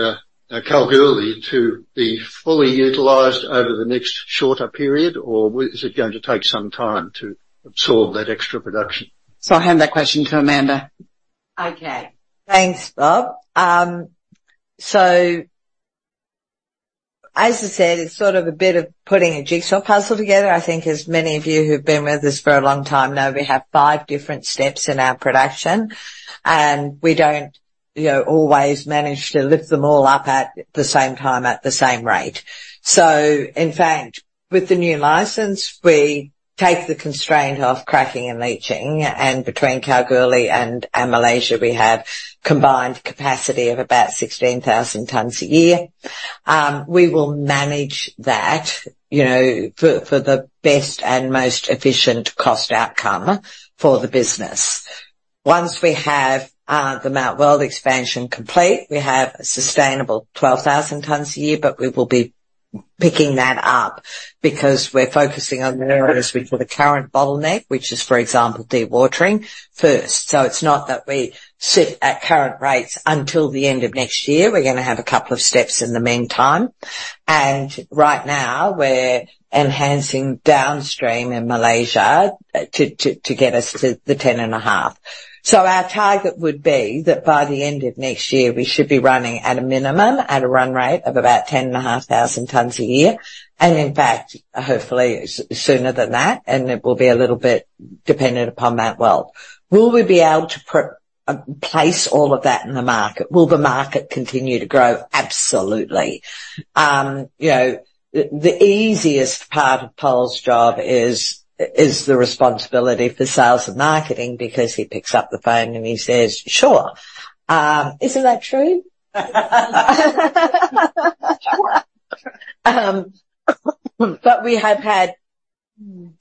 Kalgoorlie to be fully utilized over the next shorter period, or is it going to take some time to absorb that extra production? I'll hand that question to Amanda. Okay. Thanks, Bob. So as I said, it's sort of a bit of putting a jigsaw puzzle together. I think as many of you who've been with us for a long time know, we have five different steps in our production, and we don't, you know, always manage to lift them all up at the same time, at the same rate. So in fact, with the new license, we take the constraint of cracking and leaching, and between Kalgoorlie and Malaysia, we have combined capacity of about 16,000 tons a year. We will manage that, you know, for the best and most efficient cost outcome for the business. Once we have the Mount Weld expansion complete, we have a sustainable 12,000 tons a year, but we will be picking that up because we're focusing on the areas which are the current bottleneck, which is, for example, dewatering first. So it's not that we sit at current rates until the end of next year. We're gonna have a couple of steps in the meantime, and right now we're enhancing downstream in Malaysia to get us to the 10.5. So our target would be that by the end of next year, we should be running at a minimum at a run rate of about 10,500 tons a year, and in fact, hopefully sooner than that, and it will be a little bit dependent upon Mount Weld. Will we be able to place all of that in the market? Will the market continue to grow? Absolutely. You know, the easiest part of Pol's job is the responsibility for sales and marketing because he picks up the phone and he says, "Sure." Isn't that true? But we have had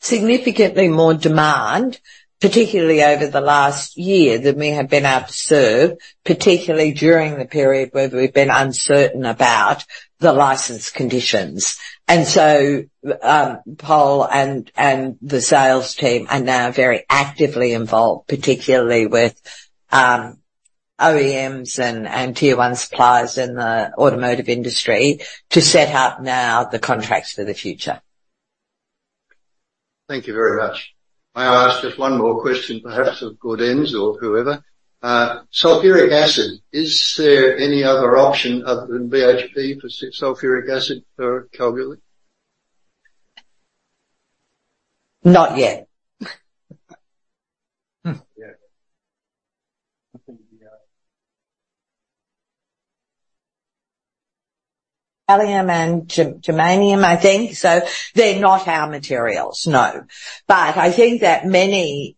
significantly more demand, particularly over the last year, than we have been able to serve, particularly during the period where we've been uncertain about the license conditions. And so, Pol and the sales team are now very actively involved, particularly with OEMs and Tier 1 suppliers in the automotive industry, to set up now the contracts for the future. Thank you very much. May I ask just one more question, perhaps of Gaudenz or whoever? Sulfuric acid, is there any other option other than BHP for sulfuric acid for Kalgoorlie? Not yet. Yeah. Gallium and germanium, I think. So they're not our materials, no. But I think that many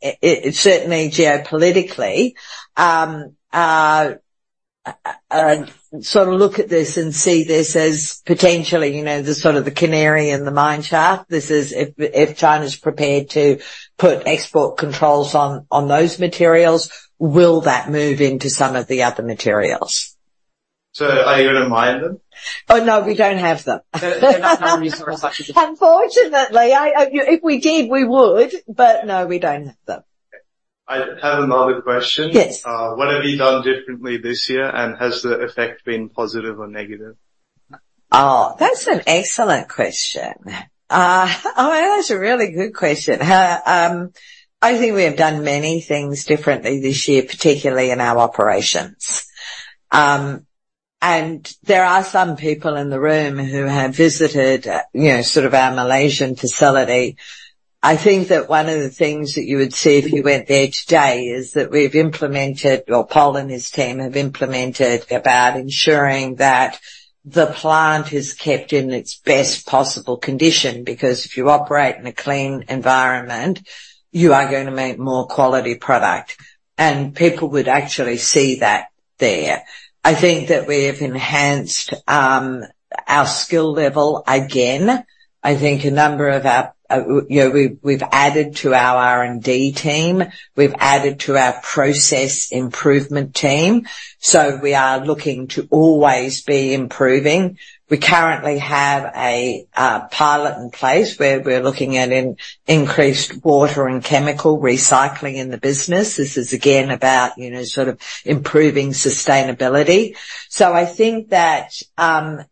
certainly geopolitically sort of look at this and see this as potentially, you know, the sort of the canary in the mine shaft. This is if China's prepared to put export controls on those materials, will that move into some of the other materials? So are you gonna mine them? Oh, no, we don't have them. Then that's not as much of- Unfortunately, I... If we did, we would, but no, we don't have them. I have another question. Yes. What have you done differently this year, and has the effect been positive or negative? Oh, that's an excellent question. Oh, that's a really good question. I think we have done many things differently this year, particularly in our operations. And there are some people in the room who have visited, you know, sort of our Malaysian facility. I think that one of the things that you would see if you went there today is that we've implemented, or Pol and his team have implemented, about ensuring that the plant is kept in its best possible condition, because if you operate in a clean environment, you are gonna make more quality product, and people would actually see that there. I think that we have enhanced our skill level again. I think a number of our, you know, we've added to our R&D team, we've added to our process improvement team, so we are looking to always be improving. We currently have a pilot in place where we're looking at increased water and chemical recycling in the business. This is again about, you know, sort of improving sustainability. So I think that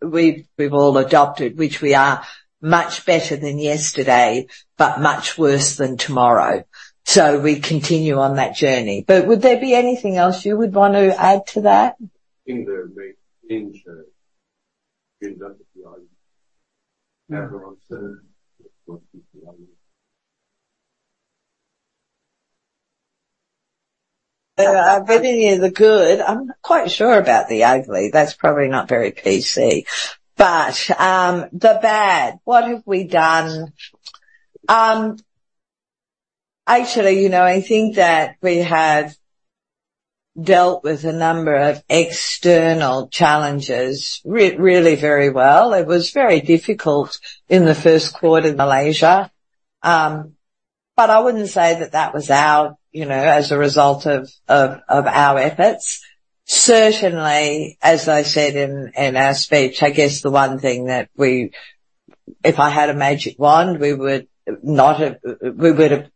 we've all adopted, which we are much better than yesterday, but much worse than tomorrow. So we continue on that journey. But would there be anything else you would want to add to that? In the ins... I believe these are good. I'm not quite sure about the ugly. That's probably not very PC, but, the bad, what have we done? Actually, you know, I think that we have dealt with a number of external challenges re, really very well. It was very difficult in the first quarter in Malaysia. But I wouldn't say that that was our, you know, as a result of, of, of our efforts. Certainly, as I said in, in our speech, I guess the one thing that we, if I had a magic wand, we would not have, we would have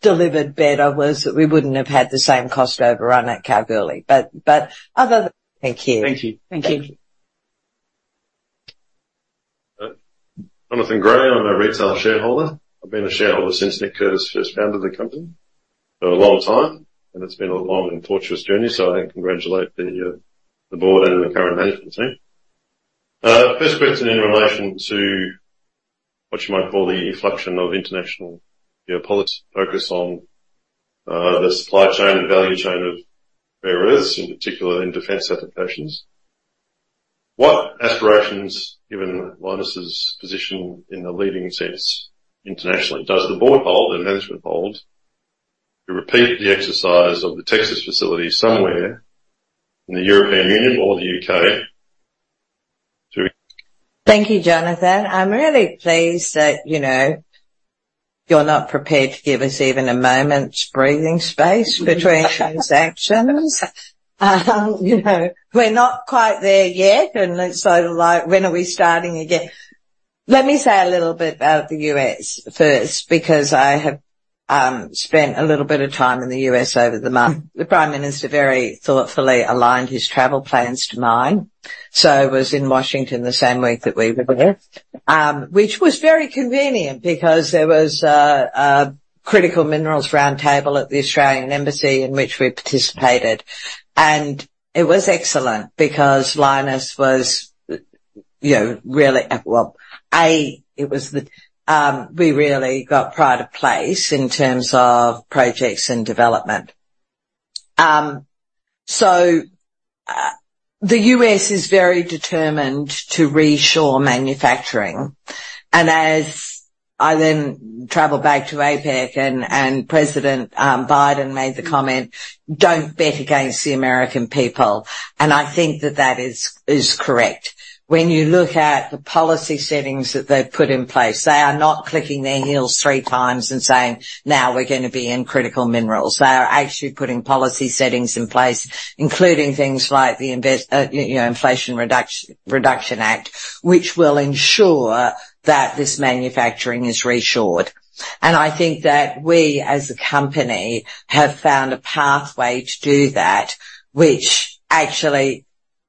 delivered better, was that we wouldn't have had the same cost overrun at Kalgoorlie. But, but other than that, thank you. Thank you. Thank you. Jonathan Gray. I'm a Retail Shareholder. I've been a Shareholder since Nick Curtis first founded the company. For a long time, and it's been a long and torturous journey, so I congratulate the board and the current management team. First question in relation to what you might call the inflection of international geopolitics, focus on the supply chain and value chain of rare earths, in particular in defense applications. What aspirations, given Lynas's position in the leading sense internationally, does the board hold and management hold to repeat the exercise of the Texas facility somewhere in the European Union or the U.K. Thank you, Jonathan. I'm really pleased that, you know, you're not prepared to give us even a moment's breathing space between transactions. You know, we're not quite there yet, and so, like, when are we starting again? Let me say a little bit about the U.S. first, because I have spent a little bit of time in the U.S. over the month. The Prime Minister very thoughtfully aligned his travel plans to mine, so I was in Washington the same week that we were there. Which was very convenient because there was a critical minerals roundtable at the Australian Embassy in which we participated. And it was excellent because Lynas was, you know, really, well, A, it was the, we really got pride of place in terms of projects and development. So, the U.S. is very determined to reshore manufacturing, and as I then traveled back to APEC and President Biden made the comment, "Don't bet against the American people." And I think that is correct. When you look at the policy settings that they've put in place, they are not clicking their heels three times and saying, "Now we're going to be in critical minerals." They are actually putting policy settings in place, including things like you know the Inflation Reduction Act, which will ensure that this manufacturing is reshored. And I think that we, as a company, have found a pathway to do that, which actually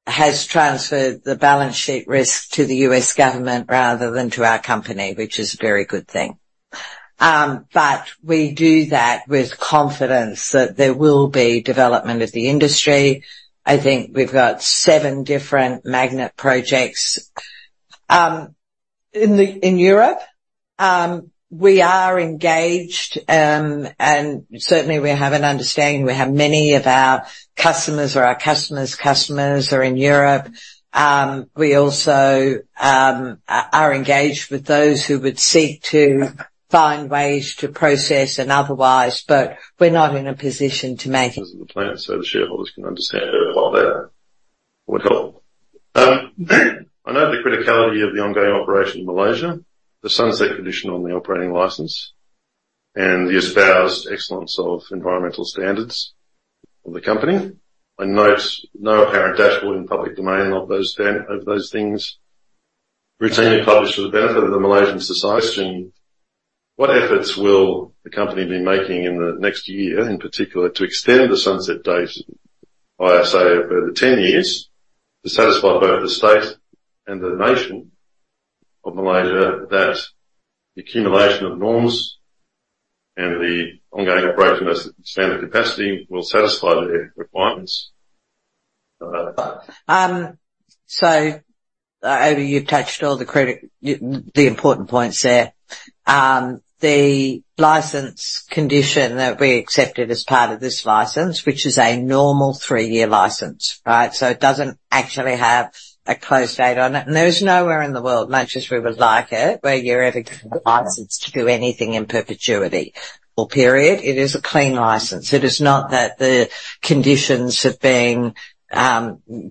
has transferred the balance sheet risk to the U.S. government rather than to our company, which is a very good thing. But we do that with confidence that there will be development of the industry. I think we've got seven different magnet projects in Europe. We are engaged, and certainly we have an understanding. We have many of our customers or our customers' customers are in Europe. We also are engaged with those who would seek to find ways to process and otherwise, but we're not in a position to make it. The plan, so the shareholders can understand it a lot better. Would help. I know the criticality of the ongoing operation in Malaysia, the sunset condition on the operating license, and the espoused excellence of environmental standards of the company. I note no apparent dashboard in the public domain of those things routinely published for the benefit of the Malaysian society. What efforts will the company be making in the next year, in particular, to extend the sunset date, by say, over 10 years, to satisfy both the state and the nation of Malaysia, that the accumulation of NORM and the ongoing operation of standard capacity will satisfy their requirements? So, you've touched all the criticisms, the important points there. The license condition that we accepted as part of this license, which is a normal three-year license, right? So it doesn't actually have a close date on it. And there is nowhere in the world, much as we would like it, where you're ever licensed to do anything in perpetuity or period. It is a clean license. It is not that the conditions have been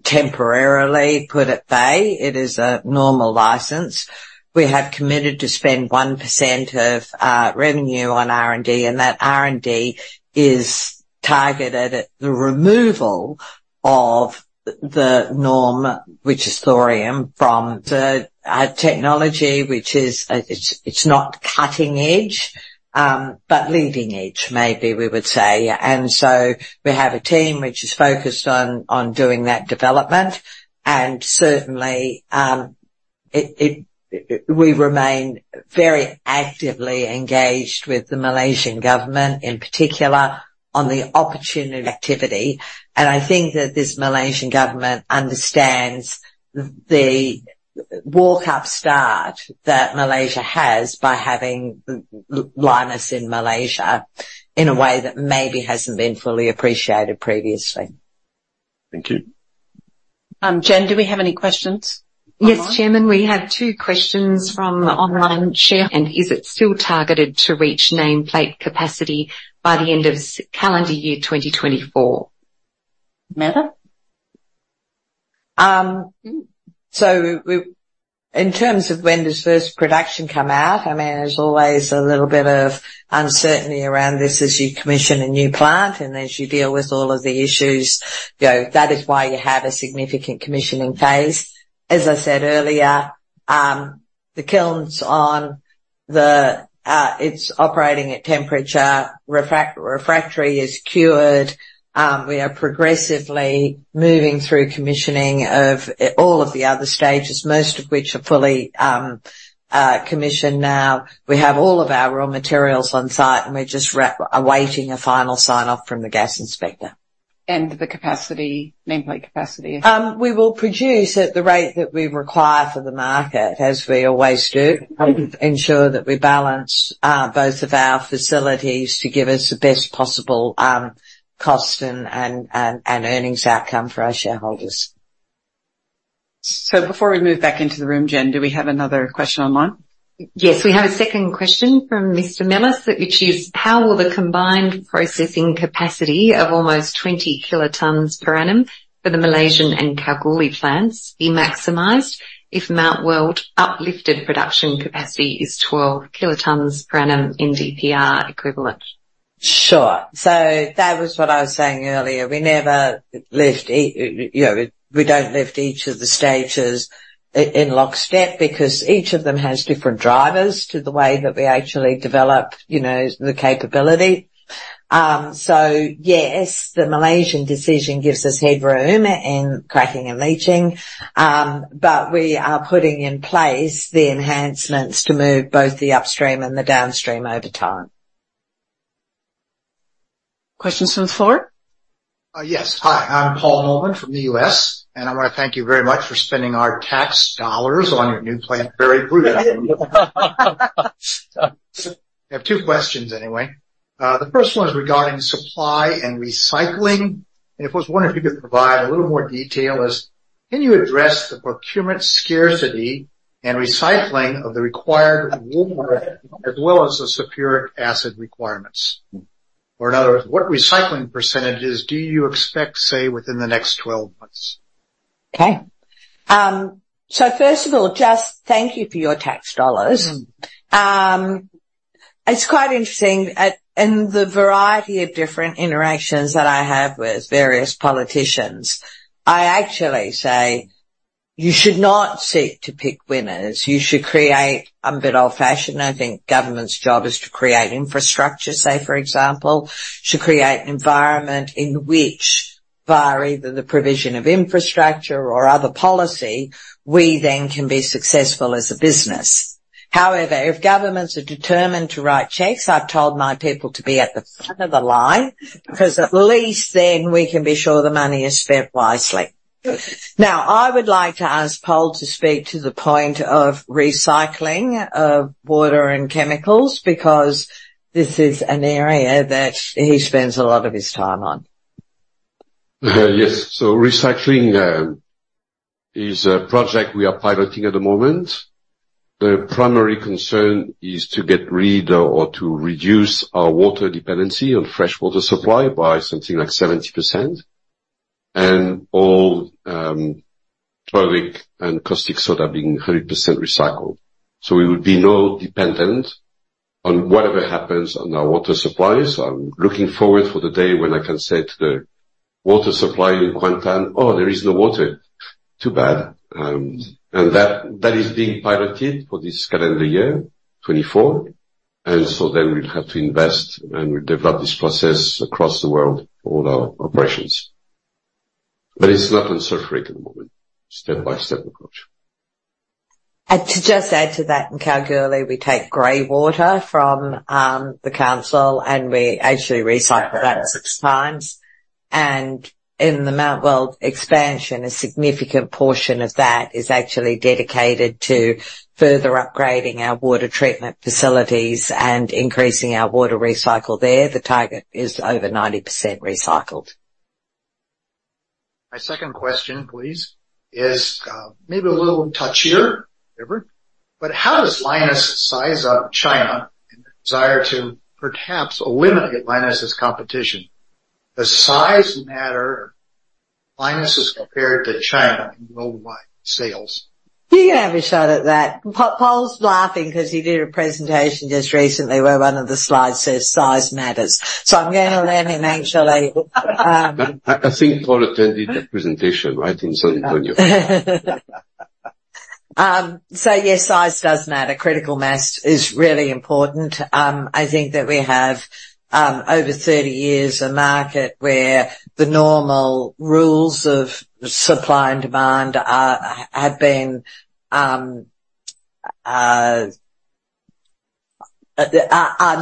temporarily put at bay. It is a normal license. We have committed to spend 1% of revenue on R&D, and that R&D is targeted at the removal of the NORM, which is thorium, from the technology, which is, it's not cutting edge, but leading edge, maybe we would say. And so we have a team which is focused on doing that development, and certainly, we remain very actively engaged with the Malaysian government, in particular, on the opportunity activity. And I think that this Malaysian government understands the head start that Malaysia has by having Lynas in Malaysia in a way that maybe hasn't been fully appreciated previously. Thank you. Jen, do we have any questions? Yes, Chairman, we have two questions from online, Chair. Is it still targeted to reach nameplate capacity by the end of calendar year 2024? Amanda? So we, in terms of when does first production come out, I mean, there's always a little bit of uncertainty around this as you commission a new plant and as you deal with all of the issues. You know, that is why you have a significant commissioning phase. As I said earlier, the kiln's on the, it's operating at temperature. Refractory is cured. We are progressively moving through commissioning of, all of the other stages, most of which are fully, commissioned now. We have all of our raw materials on site, and we're just awaiting a final sign-off from the gas inspector. The capacity, nameplate capacity? We will produce at the rate that we require for the market, as we always do. Mm-hmm. We ensure that we balance both of our facilities to give us the best possible cost and earnings outcome for our shareholders. Before we move back into the room, Jen, do we have another question online? Yes, we have a second question from Mr. Millis, which is: How will the combined processing capacity of almost 20 kilotons per annum for the Malaysian and Kalgoorlie plants be maximized if Mount Weld uplifted production capacity is 12 kilotons per annum in NdPr equivalent? Sure. So that was what I was saying earlier. We never lift. You know, we don't lift each of the stages in lockstep because each of them has different drivers to the way that we actually develop, you know, the capability. So yes, the Malaysian decision gives us headroom in cracking and leaching, but we are putting in place the enhancements to move both the upstream and the downstream over time. Questions on the floor? Yes. Hi, I'm Paul Norman from the U.S., and I want to thank you very much for spending our tax dollars on your new plant. Very prudent. I have two questions anyway. The first one is regarding supply and recycling, and I was wondering if you could provide a little more detail. Can you address the procurement scarcity and recycling of the required water, as well as the sulfuric acid requirements? Or in other words, what recycling percentages do you expect, say, within the next 12 months? Okay. So first of all, just thank you for your tax dollars. It's quite interesting, at, in the variety of different interactions that I have with various politicians, I actually say, "You should not seek to pick winners. You should create..." I'm a bit old-fashioned. I think government's job is to create infrastructure, say, for example, to create an environment in which, via either the provision of infrastructure or other policy, we then can be successful as a business. However, if governments are determined to write checks, I've told my people to be at the front of the line, because at least then we can be sure the money is spent wisely. Now, I would like to ask Pol to speak to the point of recycling of water and chemicals, because this is an area that he spends a lot of his time on. Yes. So recycling is a project we are piloting at the moment. The primary concern is to get rid or, or to reduce our water dependency on freshwater supply by something like 70%, and all chloric and caustic soda being 100% recycled. So we would be no dependent on whatever happens on our water supplies. I'm looking forward for the day when I can say to the water supply in Kuantan, "Oh, there is no water. Too bad." And that is being piloted for this calendar year, 2024. And so then we'll have to invest, and we'll develop this process across the world for all our operations. But it's not on sulfuric at the moment. Step-by-step approach. To just add to that, in Kalgoorlie, we take gray water from the council, and we actually recycle that 6x. In the Mount Weld expansion, a significant portion of that is actually dedicated to further upgrading our water treatment facilities and increasing our water recycle there. The target is over 90% recycled. My second question, please, is, maybe a little touchier, whatever, but how does Lynas size up China and the desire to perhaps eliminate Lynas's competition? Does size matter, Lynas's compared to China in worldwide sales? You can have a shot at that. Pol's laughing because he did a presentation just recently where one of the slides says, "Size matters." So I'm going to let him actually. I think Paul attended the presentation, I think, so he would know. Yes, size does matter. Critical mass is really important. I think that we have, over 30 years, a market where the normal rules of supply and demand are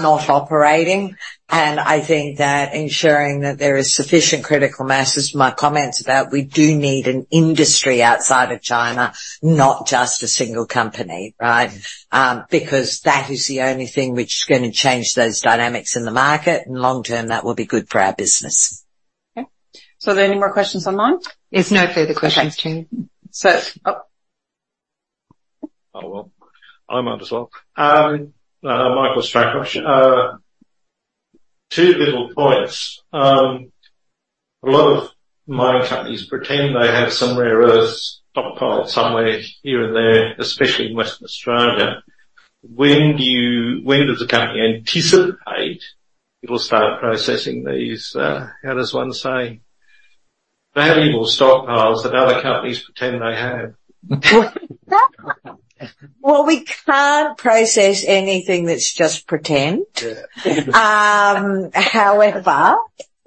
not operating. I think that ensuring that there is sufficient critical mass is my comments about we do need an industry outside of China, not just a single company, right? Because that is the only thing which is gonna change those dynamics in the market, and long term, that will be good for our business. Okay. So are there any more questions online? There's no further questions, Chair. So, oh- Oh, well, I might as well. Michael Strockosh. Two little points. A lot of mining companies pretend they have some rare earth stockpile somewhere here and there, especially in Western Australia. When does the company anticipate it will start processing these? How does one say? Valuable stockpiles that other companies pretend they have. Well, we can't process anything that's just pretend. Yeah. However,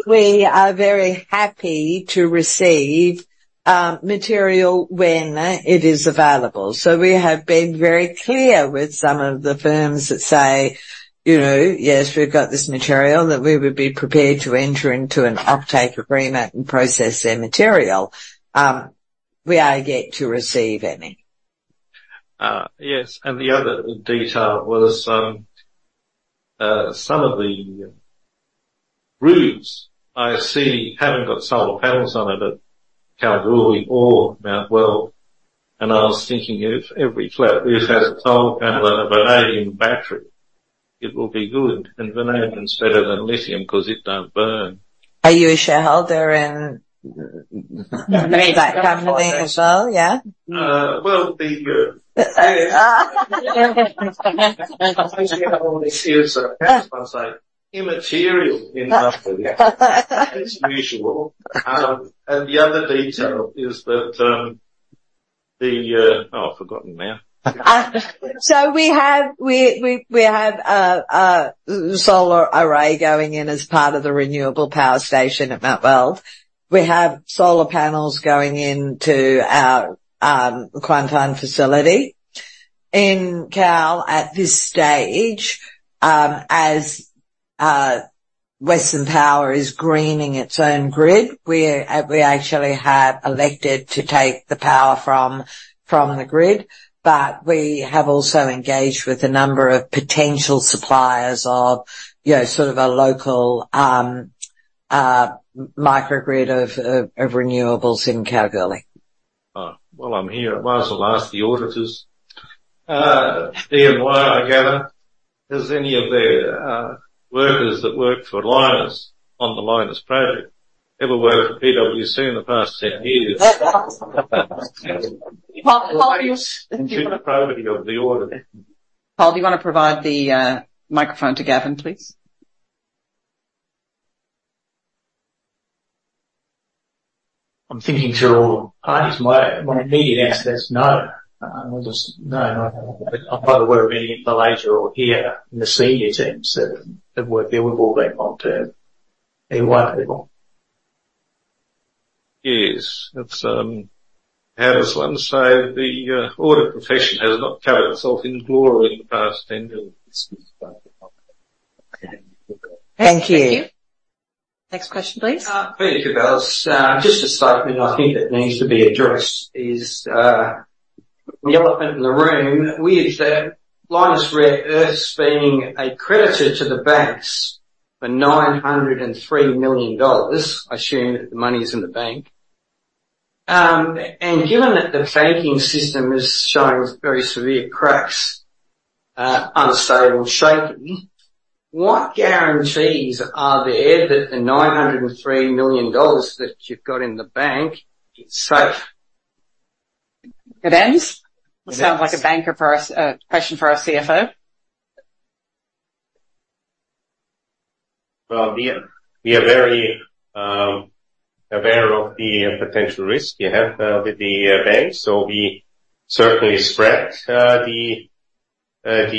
we are very happy to receive material when it is available. So we have been very clear with some of the firms that say, "You know, yes, we've got this material," that we would be prepared to enter into an offtake agreement and process their material. We are yet to receive any. Yes, and the other detail was, some of the roofs I see haven't got solar panels on it at Kalgoorlie or Mount Weld. And I was thinking, if every flat roof has a solar panel and a vanadium battery, it will be good, and vanadium is better than lithium because it don't burn. Are you a shareholder in that company as well, yeah? Well, the... How does one say? Immaterial in that company. As usual. And the other detail is that, the... Oh, I've forgotten now. So we have a solar array going in as part of the renewable power station at Mount Weld. We have solar panels going into our Kuantan facility. In Kalgoorlie, at this stage, as Western Power is greening its own grid, we actually have elected to take the power from the grid, but we have also engaged with a number of potential suppliers of, you know, sort of a local microgrid of renewables in Kalgoorlie. Well, I'm here. I might as well ask the auditors. EY, I gather, has any of their workers that work for Lynas on the Lynas project ever worked for PwC in the past 10 years? Paul, Paul, are you- Due to the priority of the audit. Paul, do you want to provide the microphone to Gavin, please? I'm thinking through all parties. My, my immediate answer is no. I just... No, not that I'm aware of any in Malaysia or here in the senior teams that, that worked there with all that long term, anyone at all. Yes, that's how does one say? The audit profession has not covered itself in glory in the past 10 years. Thank you. Thank you. Next question, please. Thank you, fellas. Just a statement I think that needs to be addressed is the elephant in the room, which is that Lynas Rare Earths being a creditor to the banks for 903 million dollars. I assume that the money is in the bank. Given that the banking system is showing very severe cracks, unstable, shaky, what guarantees are there that the 903 million dollars that you've got in the bank is safe? Good one. It sounds like a banker for us, question for our CFO. Well, we are very aware of the potential risk you have with the bank, so we certainly spread the accounts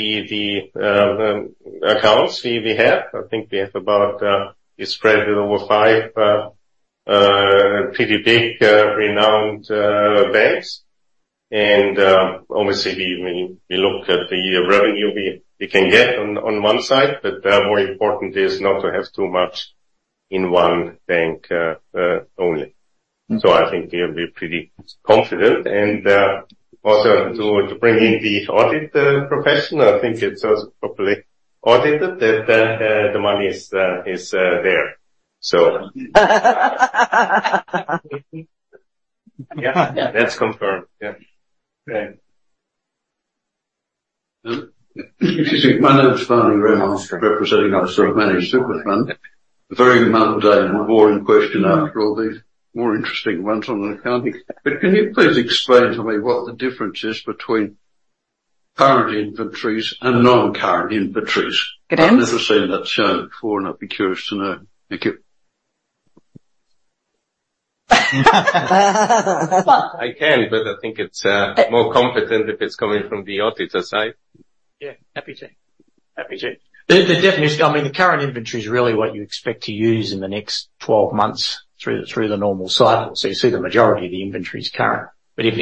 we have. I think we spread it over five pretty big renowned banks. And obviously, we look at the revenue we can get on one side, but more important is not to have too much in one bank only. Mm-hmm. So I think we're pretty confident. And, also to bring in the audit professional, I think it's also properly audited that the money is there. So- Yeah. That's confirmed. Yeah. Great. My name is Barney Graham, representing Officer of Managed Super Fund. A very mundane and boring question after all the more interesting ones on the accounting, but can you please explain to me what the difference is between current inventories and non-current inventories? Gaudenz? I've never seen that shown before, and I'd be curious to know. Thank you. I can, but I think it's more competent if it's coming from the auditor side. Yeah, happy to. The definition, I mean, the current inventory is really what you expect to use in the next 12 months through the normal cycle. So you see the majority of the inventory is current. But if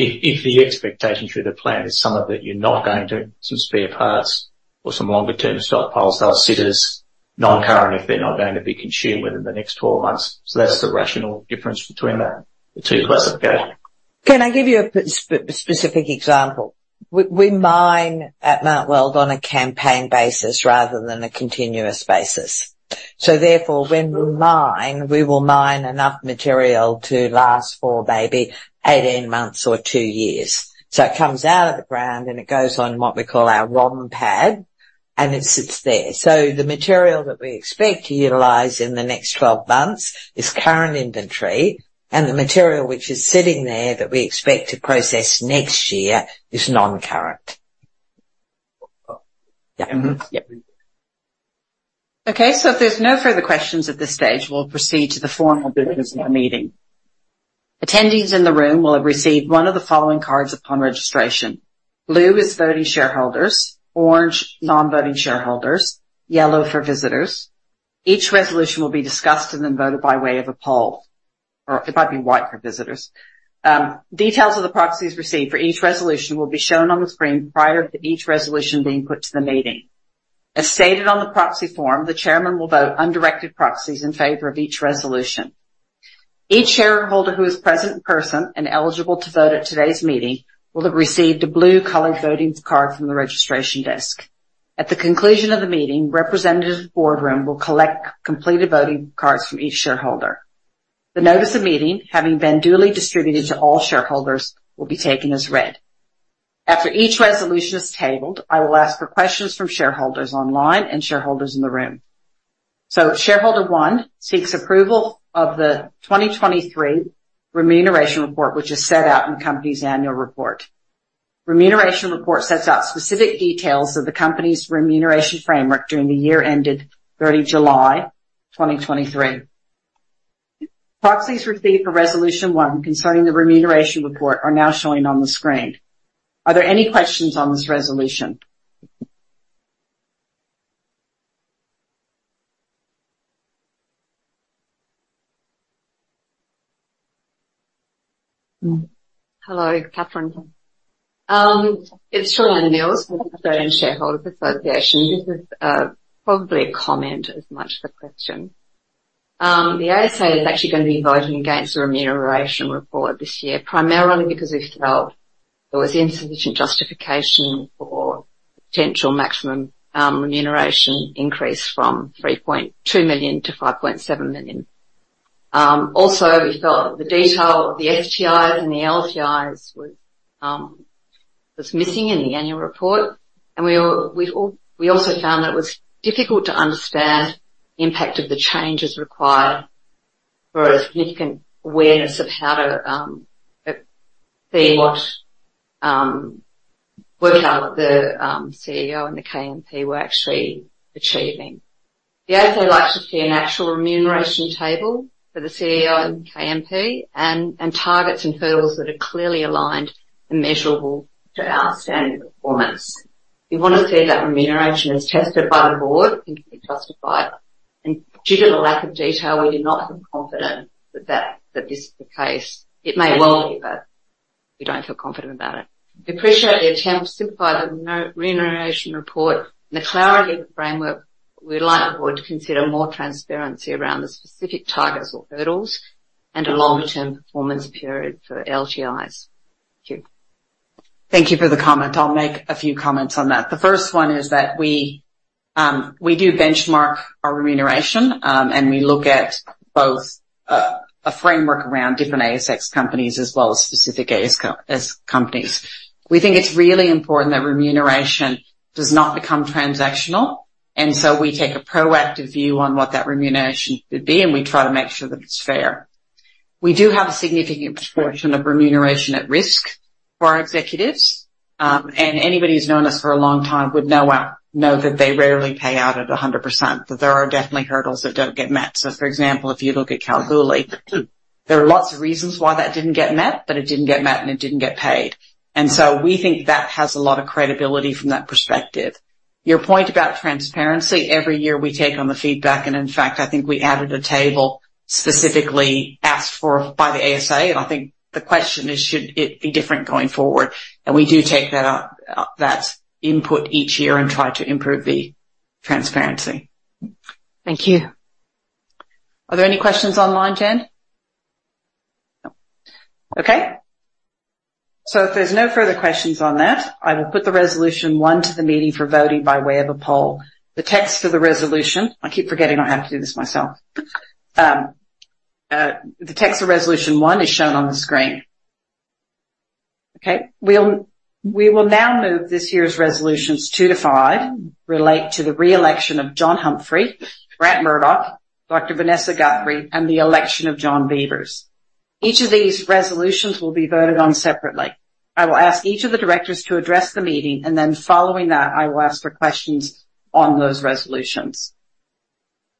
the expectation through the plan is some of it, you're not going to... Some spare parts or some longer-term stockpiles are set as non-current if they're not going to be consumed within the next 12 months. So that's the rationale difference between the two classifications. Can I give you a specific example? We mine at Mount Weld on a campaign basis rather than a continuous basis. So therefore, when we mine, we will mine enough material to last for maybe 18 months or two years. So it comes out of the ground, and it goes on what we call our ROM pad, and it sits there. So the material that we expect to utilize in the next 12 months is current inventory, and the material which is sitting there that we expect to process next year is non-current. Yeah. Mm-hmm. Yep. Okay, so if there's no further questions at this stage, we'll proceed to the formal business of the meeting. Attendees in the room will have received one of the following cards upon registration. Blue is voting shareholders, orange, non-voting shareholders, yellow for visitors. Each resolution will be discussed and then voted by way of a poll. Or it might be white for visitors. Details of the proxies received for each resolution will be shown on the screen prior to each resolution being put to the meeting. As stated on the proxy form, the Chairman will vote undirected proxies in favor of each resolution. Each Shareholder who is present in person and eligible to vote at today's meeting will have received a blue-colored voting card from the registration desk. At the conclusion of the meeting, representatives of the Boardroom will collect completed voting cards from each shareholder. The notice of meeting, having been duly distributed to all shareholders, will be taken as read. After each resolution is tabled, I will ask for questions from shareholders online and shareholders in the room. So Resolution 1 seeks approval of the 2023 remuneration report, which is set out in the company's annual report. Remuneration report sets out specific details of the company's remuneration framework during the year ended July 30, 2023. Proxies received for Resolution 1 concerning the remuneration report are now showing on the screen. Are there any questions on this resolution? Hello, Kathleen. It's Julieanne Mills with Australian Shareholders Association. This is probably a comment as much as a question. The ASA is actually going to be voting against the remuneration report this year, primarily because we felt there was insufficient justification for potential maximum remuneration increase from 3.2 million to 5.7 million. Also, we felt the detail of the STIs and the LTIs was missing in the annual report, and we also found that it was difficult to understand the impact of the changes required for a significant awareness of how to see what work out the CEO and the KMP were actually achieving. We also like to see an actual remuneration table for the CEO and KMP, and targets and hurdles that are clearly aligned and measurable to outstanding performance. We want to see that remuneration is tested by the board and can be justified, and due to the lack of detail, we do not feel confident that this is the case. It may well be, but we don't feel confident about it. We appreciate the attempt to simplify the remuneration report and the clarity of the framework. We'd like the board to consider more transparency around the specific targets or hurdles and a longer-term performance period for LTIs. Thank you. Thank you for the comment. I'll make a few comments on that. The first one is that we, we do benchmark our remuneration, and we look at both a framework around different ASX companies as well as specific ASX companies. We think it's really important that remuneration does not become transactional, and so we take a proactive view on what that remuneration should be, and we try to make sure that it's fair. We do have a significant proportion of remuneration at risk for our executives, and anybody who's known us for a long time would know that they rarely pay out at 100%, that there are definitely hurdles that don't get met. So, for example, if you look at Kalgoorlie, there are lots of reasons why that didn't get met, but it didn't get met, and it didn't get paid. And so we think that has a lot of credibility from that perspective. Your point about transparency, every year we take on the feedback, and in fact, I think we added a table specifically asked for by the ASA, and I think the question is, should it be different going forward? And we do take that up, that input each year and try to improve the transparency. Thank you. Are there any questions online, Jen? No. Okay. So if there's no further questions on that, I will put the Resolution 1 to the meeting for voting by way of a poll. The text of the resolution. I keep forgetting I have to do this myself. The text of Resolution 1 is shown on the screen. Okay, we will now move this year's Resolutions 2 to 5, relate to the re-election of John Humphrey, Grant Murdoch, Dr. Vanessa Guthrie, and the election of John Beevers. Each of these resolutions will be voted on separately. I will ask each of the directors to address the meeting, and then following that, I will ask for questions on those resolutions.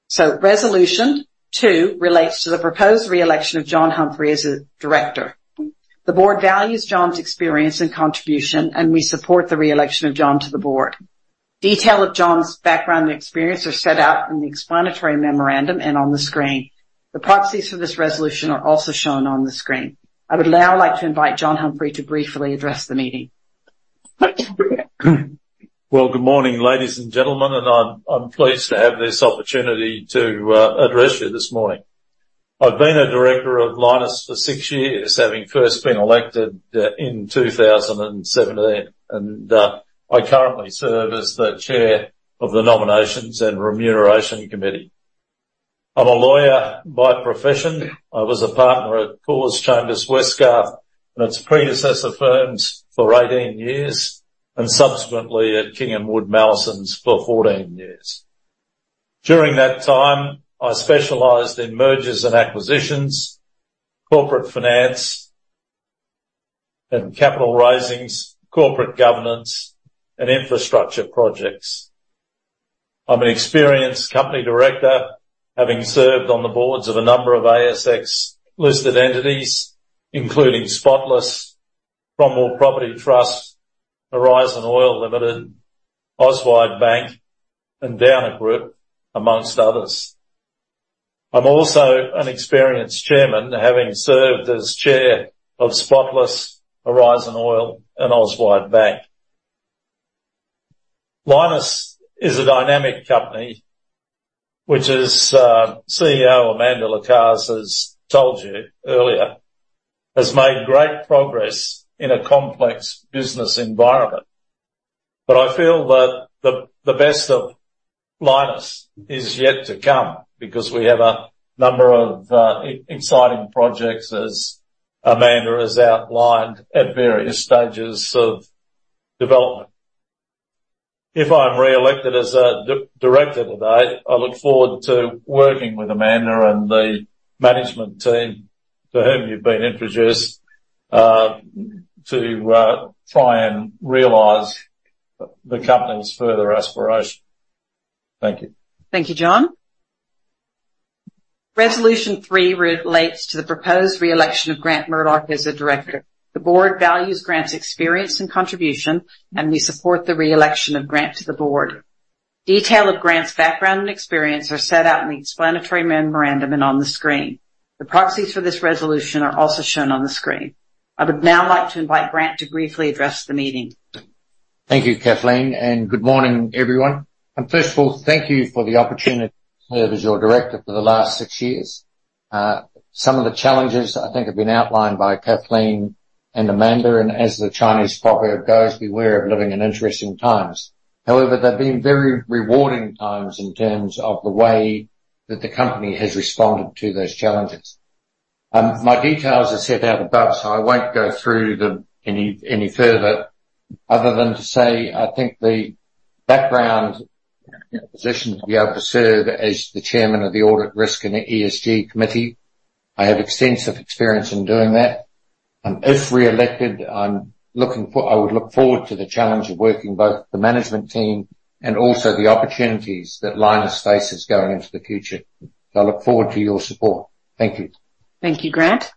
So Resolution 2 relates to the proposed re-election of John Humphrey as a Director. The board values John's experience and contribution, and we support the re-election of John to the board. Detail of John's background and experience are set out in the explanatory memorandum and on the screen. The proxies for this resolution are also shown on the screen. I would now like to invite John Humphrey to briefly address the meeting. Well, good morning, ladies and gentlemen, and I'm pleased to have this opportunity to address you this morning. I've been a Director of Lynas for six years, having first been elected in 2017, and I currently serve as the chair of the Nominations and Remuneration Committee. I'm a lawyer by profession. I was a partner at Corrs Chambers Westgarth, and its predecessor firms for 18 years, and subsequently at King & Wood Mallesons for 14 years. During that time, I specialized in mergers and acquisitions, corporate finance and capital raisings, corporate governance, and infrastructure projects. I'm an experienced company Director, having served on the boards of a number of ASX-listed entities, including Spotless, Cromwell Property Trust, Horizon Oil Limited, Auswide Bank, and Downer Group, amongst others. I'm also an experienced Chairman, having served as chair of Spotless, Horizon Oil, and Auswide Bank. Lynas is a dynamic company, which as CEO Amanda Lacaze has told you earlier, has made great progress in a complex business environment. But I feel that the best of Lynas is yet to come because we have a number of exciting projects, as Amanda has outlined, at various stages of development. If I'm reelected as a Director today, I look forward to working with Amanda and the management team, to whom you've been introduced, to try and realize the company's further aspiration. Thank you. Thank you, John. Resolution 3 relates to the proposed re-election of Grant Murdoch as a Director. The board values Grant's experience and contribution, and we support the re-election of Grant to the board. Details of Grant's background and experience are set out in the explanatory memorandum and on the screen. The proxies for this resolution are also shown on the screen. I would now like to invite Grant to briefly address the meeting. Thank you, Kathleen, and good morning, everyone. First of all, thank you for the opportunity to serve as your Director for the last six years. Some of the challenges I think have been outlined by Kathleen and Amanda, and as the Chinese proverb goes, "Beware of living in interesting times." However, they've been very rewarding times in terms of the way that the company has responded to those challenges. My details are set out above, so I won't go through them any, any further, other than to say I think the background and position to be able to serve as the Chairman of the Audit, Risk, and ESG Committee, I have extensive experience in doing that. If reelected, I'm looking for—I would look forward to the challenge of working with both the management team and also the opportunities that Lynas faces going into the future. I look forward to your support. Thank you. Thank you, Grant.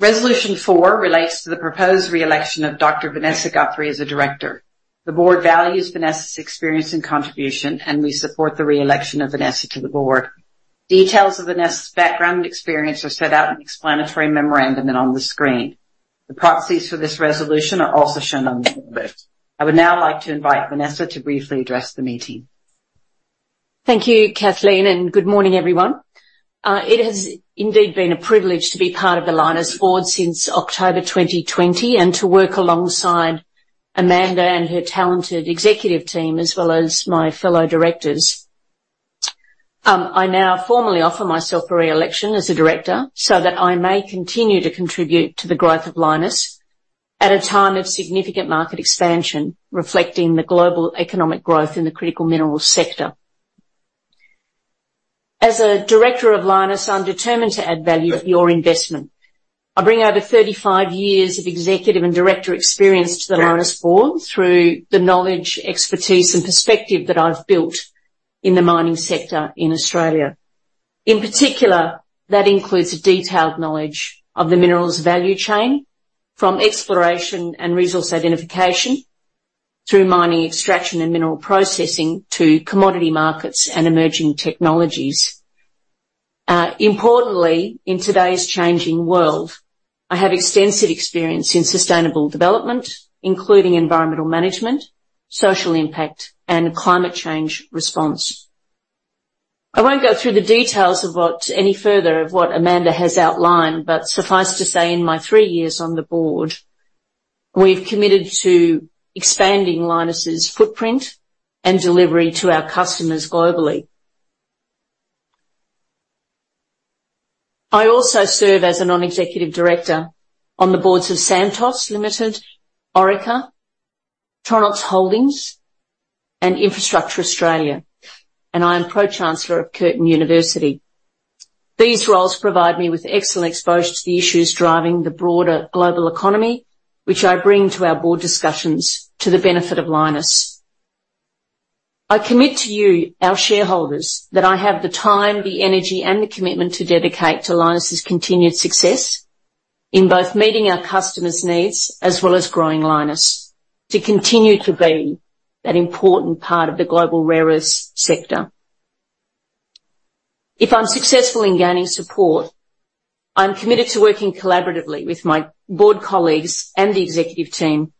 Resolution 4 relates to the proposed re-election of Dr. Vanessa Guthrie as a Director. The board values Vanessa's experience and contribution, and we support the re-election of Vanessa to the board. Details of Vanessa's background and experience are set out in the explanatory memorandum and on the screen. The proxies for this resolution are also shown on the screen. I would now like to invite Vanessa to briefly address the meeting. Thank you, Kathleen, and good morning, everyone. It has indeed been a privilege to be part of the Lynas board since October 2020, and to work alongside Amanda and her talented executive team, as well as my fellow directors. I now formally offer myself for re-election as a Director so that I may continue to contribute to the growth of Lynas at a time of significant market expansion, reflecting the global economic growth in the critical minerals sector. As a Director of Lynas, I'm determined to add value to your investment. I bring over 35 years of Executive and Director experience to the Lynas board through the knowledge, expertise, and perspective that I've built in the mining sector in Australia. In particular, that includes a detailed knowledge of the minerals value chain, from exploration and resource identification through mining, extraction, and mineral processing to commodity markets and emerging technologies. Importantly, in today's changing world, I have extensive experience in sustainable development, including environmental management, social impact, and climate change response. I won't go through the details of what any further of what Amanda has outlined, but suffice to say, in my three years on the board, we've committed to expanding Lynas's footprint and delivery to our customers globally. I also serve as a Non-Executive Director on the boards of Santos Limited, Orica, Tronox Holdings, and Infrastructure Australia, and I am Pro-Chancellor of Curtin University. These roles provide me with excellent exposure to the issues driving the broader global economy, which I bring to our board discussions to the benefit of Lynas. I commit to you, our shareholders, that I have the time, the energy, and the commitment to dedicate to Lynas's continued success in both meeting our customers' needs as well as growing Lynas to continue to be that important part of the global rare earth sector. If I'm successful in gaining support. I'm committed to working collaboratively with my board colleagues and the executive team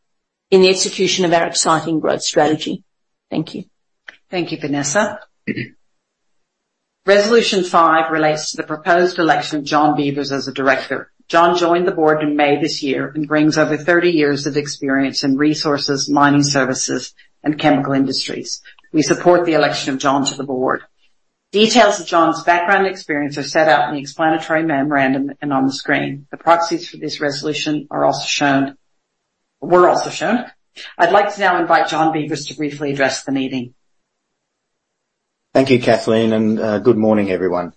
in the execution of our exciting growth strategy. Thank you. Thank you, Vanessa. Resolution 5 relates to the proposed election of John Beevers as a Director. John joined the board in May this year, and brings over 30 years of experience in resources, mining services, and chemical industries. We support the election of John to the board. Details of John's background and experience are set out in the explanatory memorandum and on the screen. The proxies for this resolution are also shown, were also shown. I'd like to now invite John Beevers to briefly address the meeting. Thank you, Kathleen, and good morning, everyone.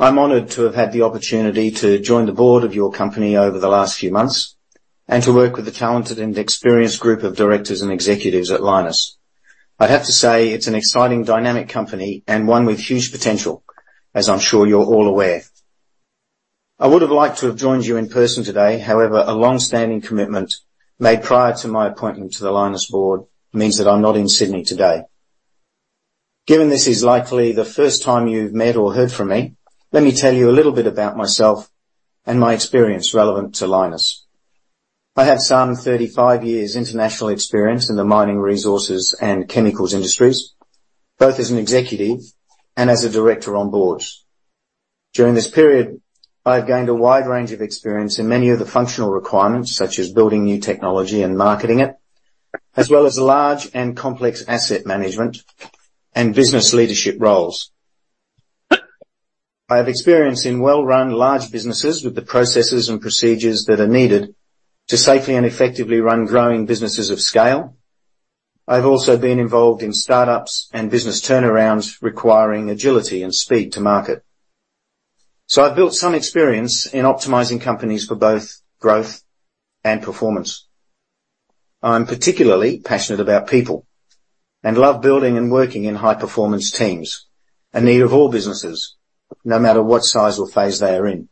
I'm honored to have had the opportunity to join the board of your company over the last few months, and to work with the talented and experienced group of directors and executives at Lynas. I'd have to say it's an exciting, dynamic company and one with huge potential, as I'm sure you're all aware. I would have liked to have joined you in person today; however, a long-standing commitment made prior to my appointment to the Lynas board means that I'm not in Sydney today. Given this is likely the first time you've met or heard from me, let me tell you a little bit about myself and my experience relevant to Lynas. I have 35 years international experience in the mining, resources, and chemicals industries, both as an Executive and as a Director on boards. During this period, I've gained a wide range of experience in many of the functional requirements, such as building new technology and marketing it, as well as large and complex asset management and business leadership roles. I have experience in well-run, large businesses with the processes and procedures that are needed to safely and effectively run growing businesses of scale. I've also been involved in startups and business turnarounds requiring agility and speed to market. So I've built some experience in optimizing companies for both growth and performance. I'm particularly passionate about people, and love building and working in high-performance teams, a need of all businesses, no matter what size or phase they are in.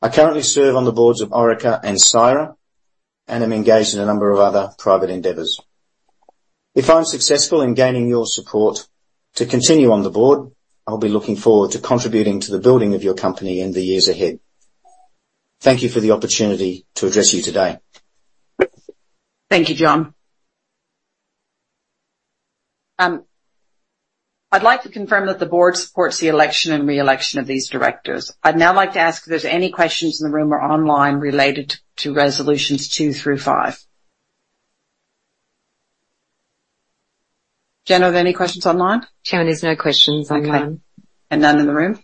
I currently serve on the boards of Orica and Syrah, and I'm engaged in a number of other private endeavors. If I'm successful in gaining your support to continue on the board, I'll be looking forward to contributing to the building of your company in the years ahead. Thank you for the opportunity to address you today. Thank you, John. I'd like to confirm that the board supports the election and re-election of these directors. I'd now like to ask if there's any questions in the room or online related to Resolutions 2 to 5. Jen, are there any questions online? There's no questions online. Okay. And none in the room?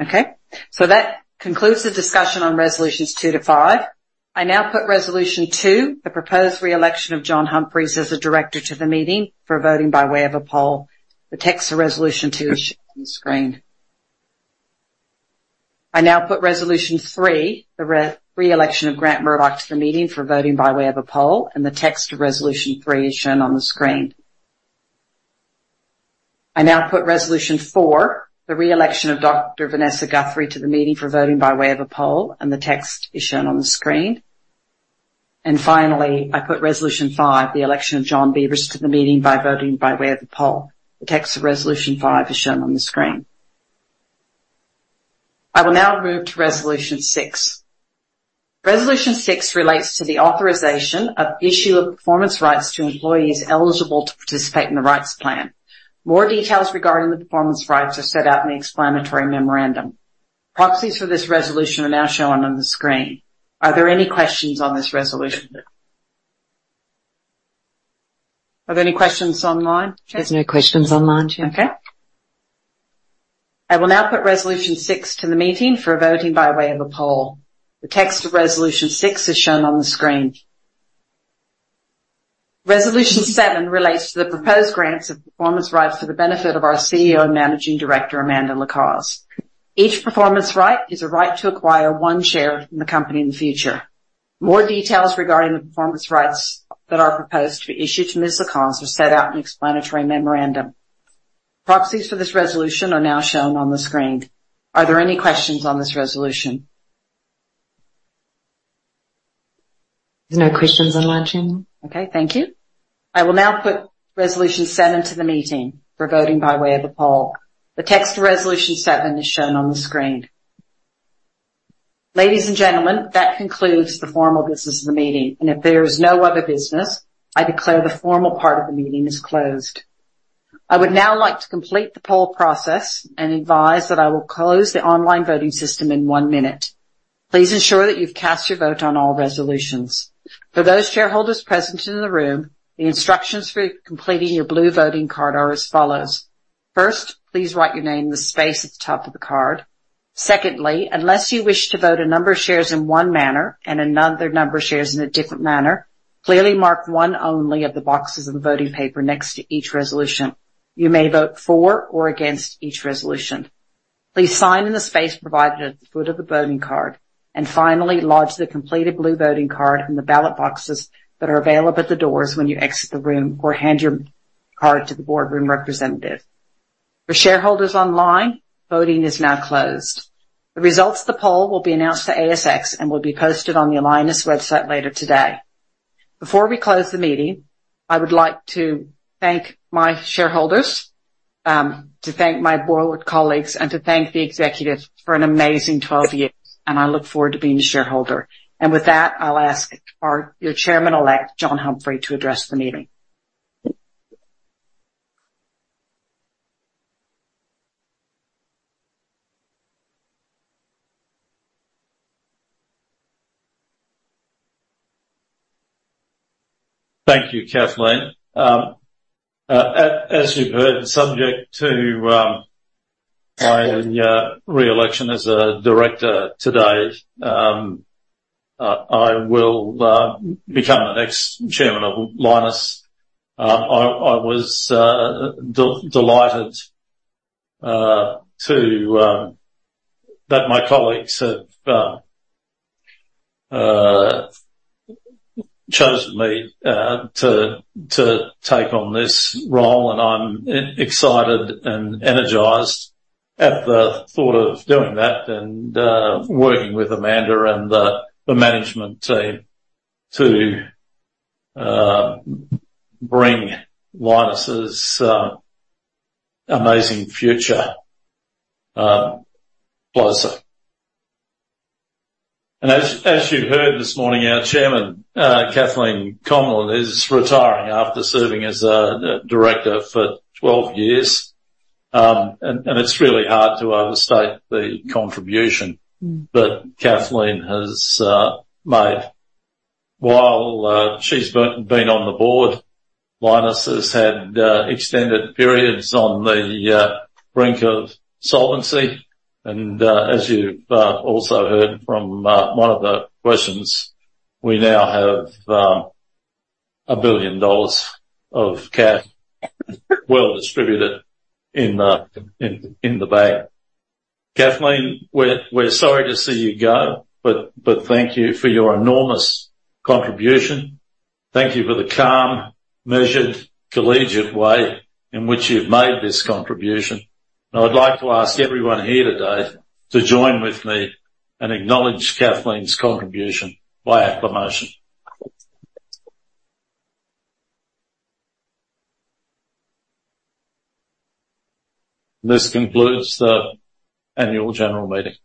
Okay. So that concludes the discussion on Resolutions 2 to 5. I now put Resolution 2, the proposed re-election of John Humphrey as a Director to the meeting for voting by way of a poll. The text of Resolution 2 is shown on the screen. I now put Resolution 3, the re-election of Grant Murdoch to the meeting for voting by way of a poll, and the text of Resolution 3 is shown on the screen. I now put Resolution 4, the re-election of Dr. Vanessa Guthrie, to the meeting for voting by way of a poll, and the text is shown on the screen. And finally, I put Resolution 5, the election of John Beevers, to the meeting by voting by way of the poll. The text of Resolution 5 is shown on the screen. I will now move to Resolution 6. Resolution 6 relates to the authorization of issue of performance rights to employees eligible to participate in the rights plan. More details regarding the performance rights are set out in the explanatory memorandum. Proxies for this resolution are now shown on the screen. Are there any questions on this resolution? Are there any questions online? There's no questions online, Chair. I will now put Resolution 6 to the meeting for a voting by way of a poll. The text of Resolution 6 is shown on the screen. Resolution 7 relates to the proposed grants of performance rights for the benefit of our CEO and Managing Director, Amanda Lacaze. Each performance right is a right to acquire one share in the company in the future. More details regarding the performance rights that are proposed to be issued to Ms. Lacaze are set out in explanatory memorandum. Proxies for this resolution are now shown on the screen. Are there any questions on this resolution? There's no questions online, Chair. Okay, thank you. I will now put Resolution 7 to the meeting for voting by way of a poll. The text of Resolution 7 is shown on the screen. Ladies and gentlemen, that concludes the formal business of the meeting, and if there is no other business, I declare the formal part of the meeting is closed. I would now like to complete the poll process and advise that I will close the online voting system in one minute. Please ensure that you've cast your vote on all resolutions. For those shareholders present in the room, the instructions for completing your blue voting card are as follows: First, please write your name in the space at the top of the card. Secondly, unless you wish to vote a number of shares in one manner and another number of shares in a different manner, clearly mark one only of the boxes of the voting paper next to each resolution. You may vote for or against each resolution. Please sign in the space provided at the foot of the voting card, and finally, lodge the completed blue voting card in the ballot boxes that are available at the doors when you exit the room, or hand your card to the Boardroom representative. For shareholders online, voting is now closed. The results of the poll will be announced to ASX and will be posted on the Lynas website later today. Before we close the meeting, I would like to thank my shareholders, to thank my board colleagues, and to thank the executives for an amazing 12 years, and I look forward to being a shareholder. And with that, I'll ask our, your chairman-elect, John Humphrey, to address the meeting. Thank you, Kathleen. As you've heard, subject to my re-election as a director today, I will become the next Chairman of Lynas. I was delighted that my colleagues have chosen me to take on this role, and I'm excited and energized at the thought of doing that and working with Amanda and the management team to bring Lynas's amazing future closer. And as you heard this morning, our Chairman, Kathleen Conlon, is retiring after serving as the Director for 12 years. And it's really hard to overstate the contribution that Kathleen has made. While she's been on the board, Lynas has had extended periods on the brink of solvency, and as you've also heard from one of the questions, we now have 1 billion dollars of cash well-distributed in the bank. Kathleen, we're sorry to see you go, but thank you for your enormous contribution. Thank you for the calm, measured, collegiate way in which you've made this contribution. And I'd like to ask everyone here today to join with me and acknowledge Kathleen's contribution by acclamation. This concludes the annual general meeting.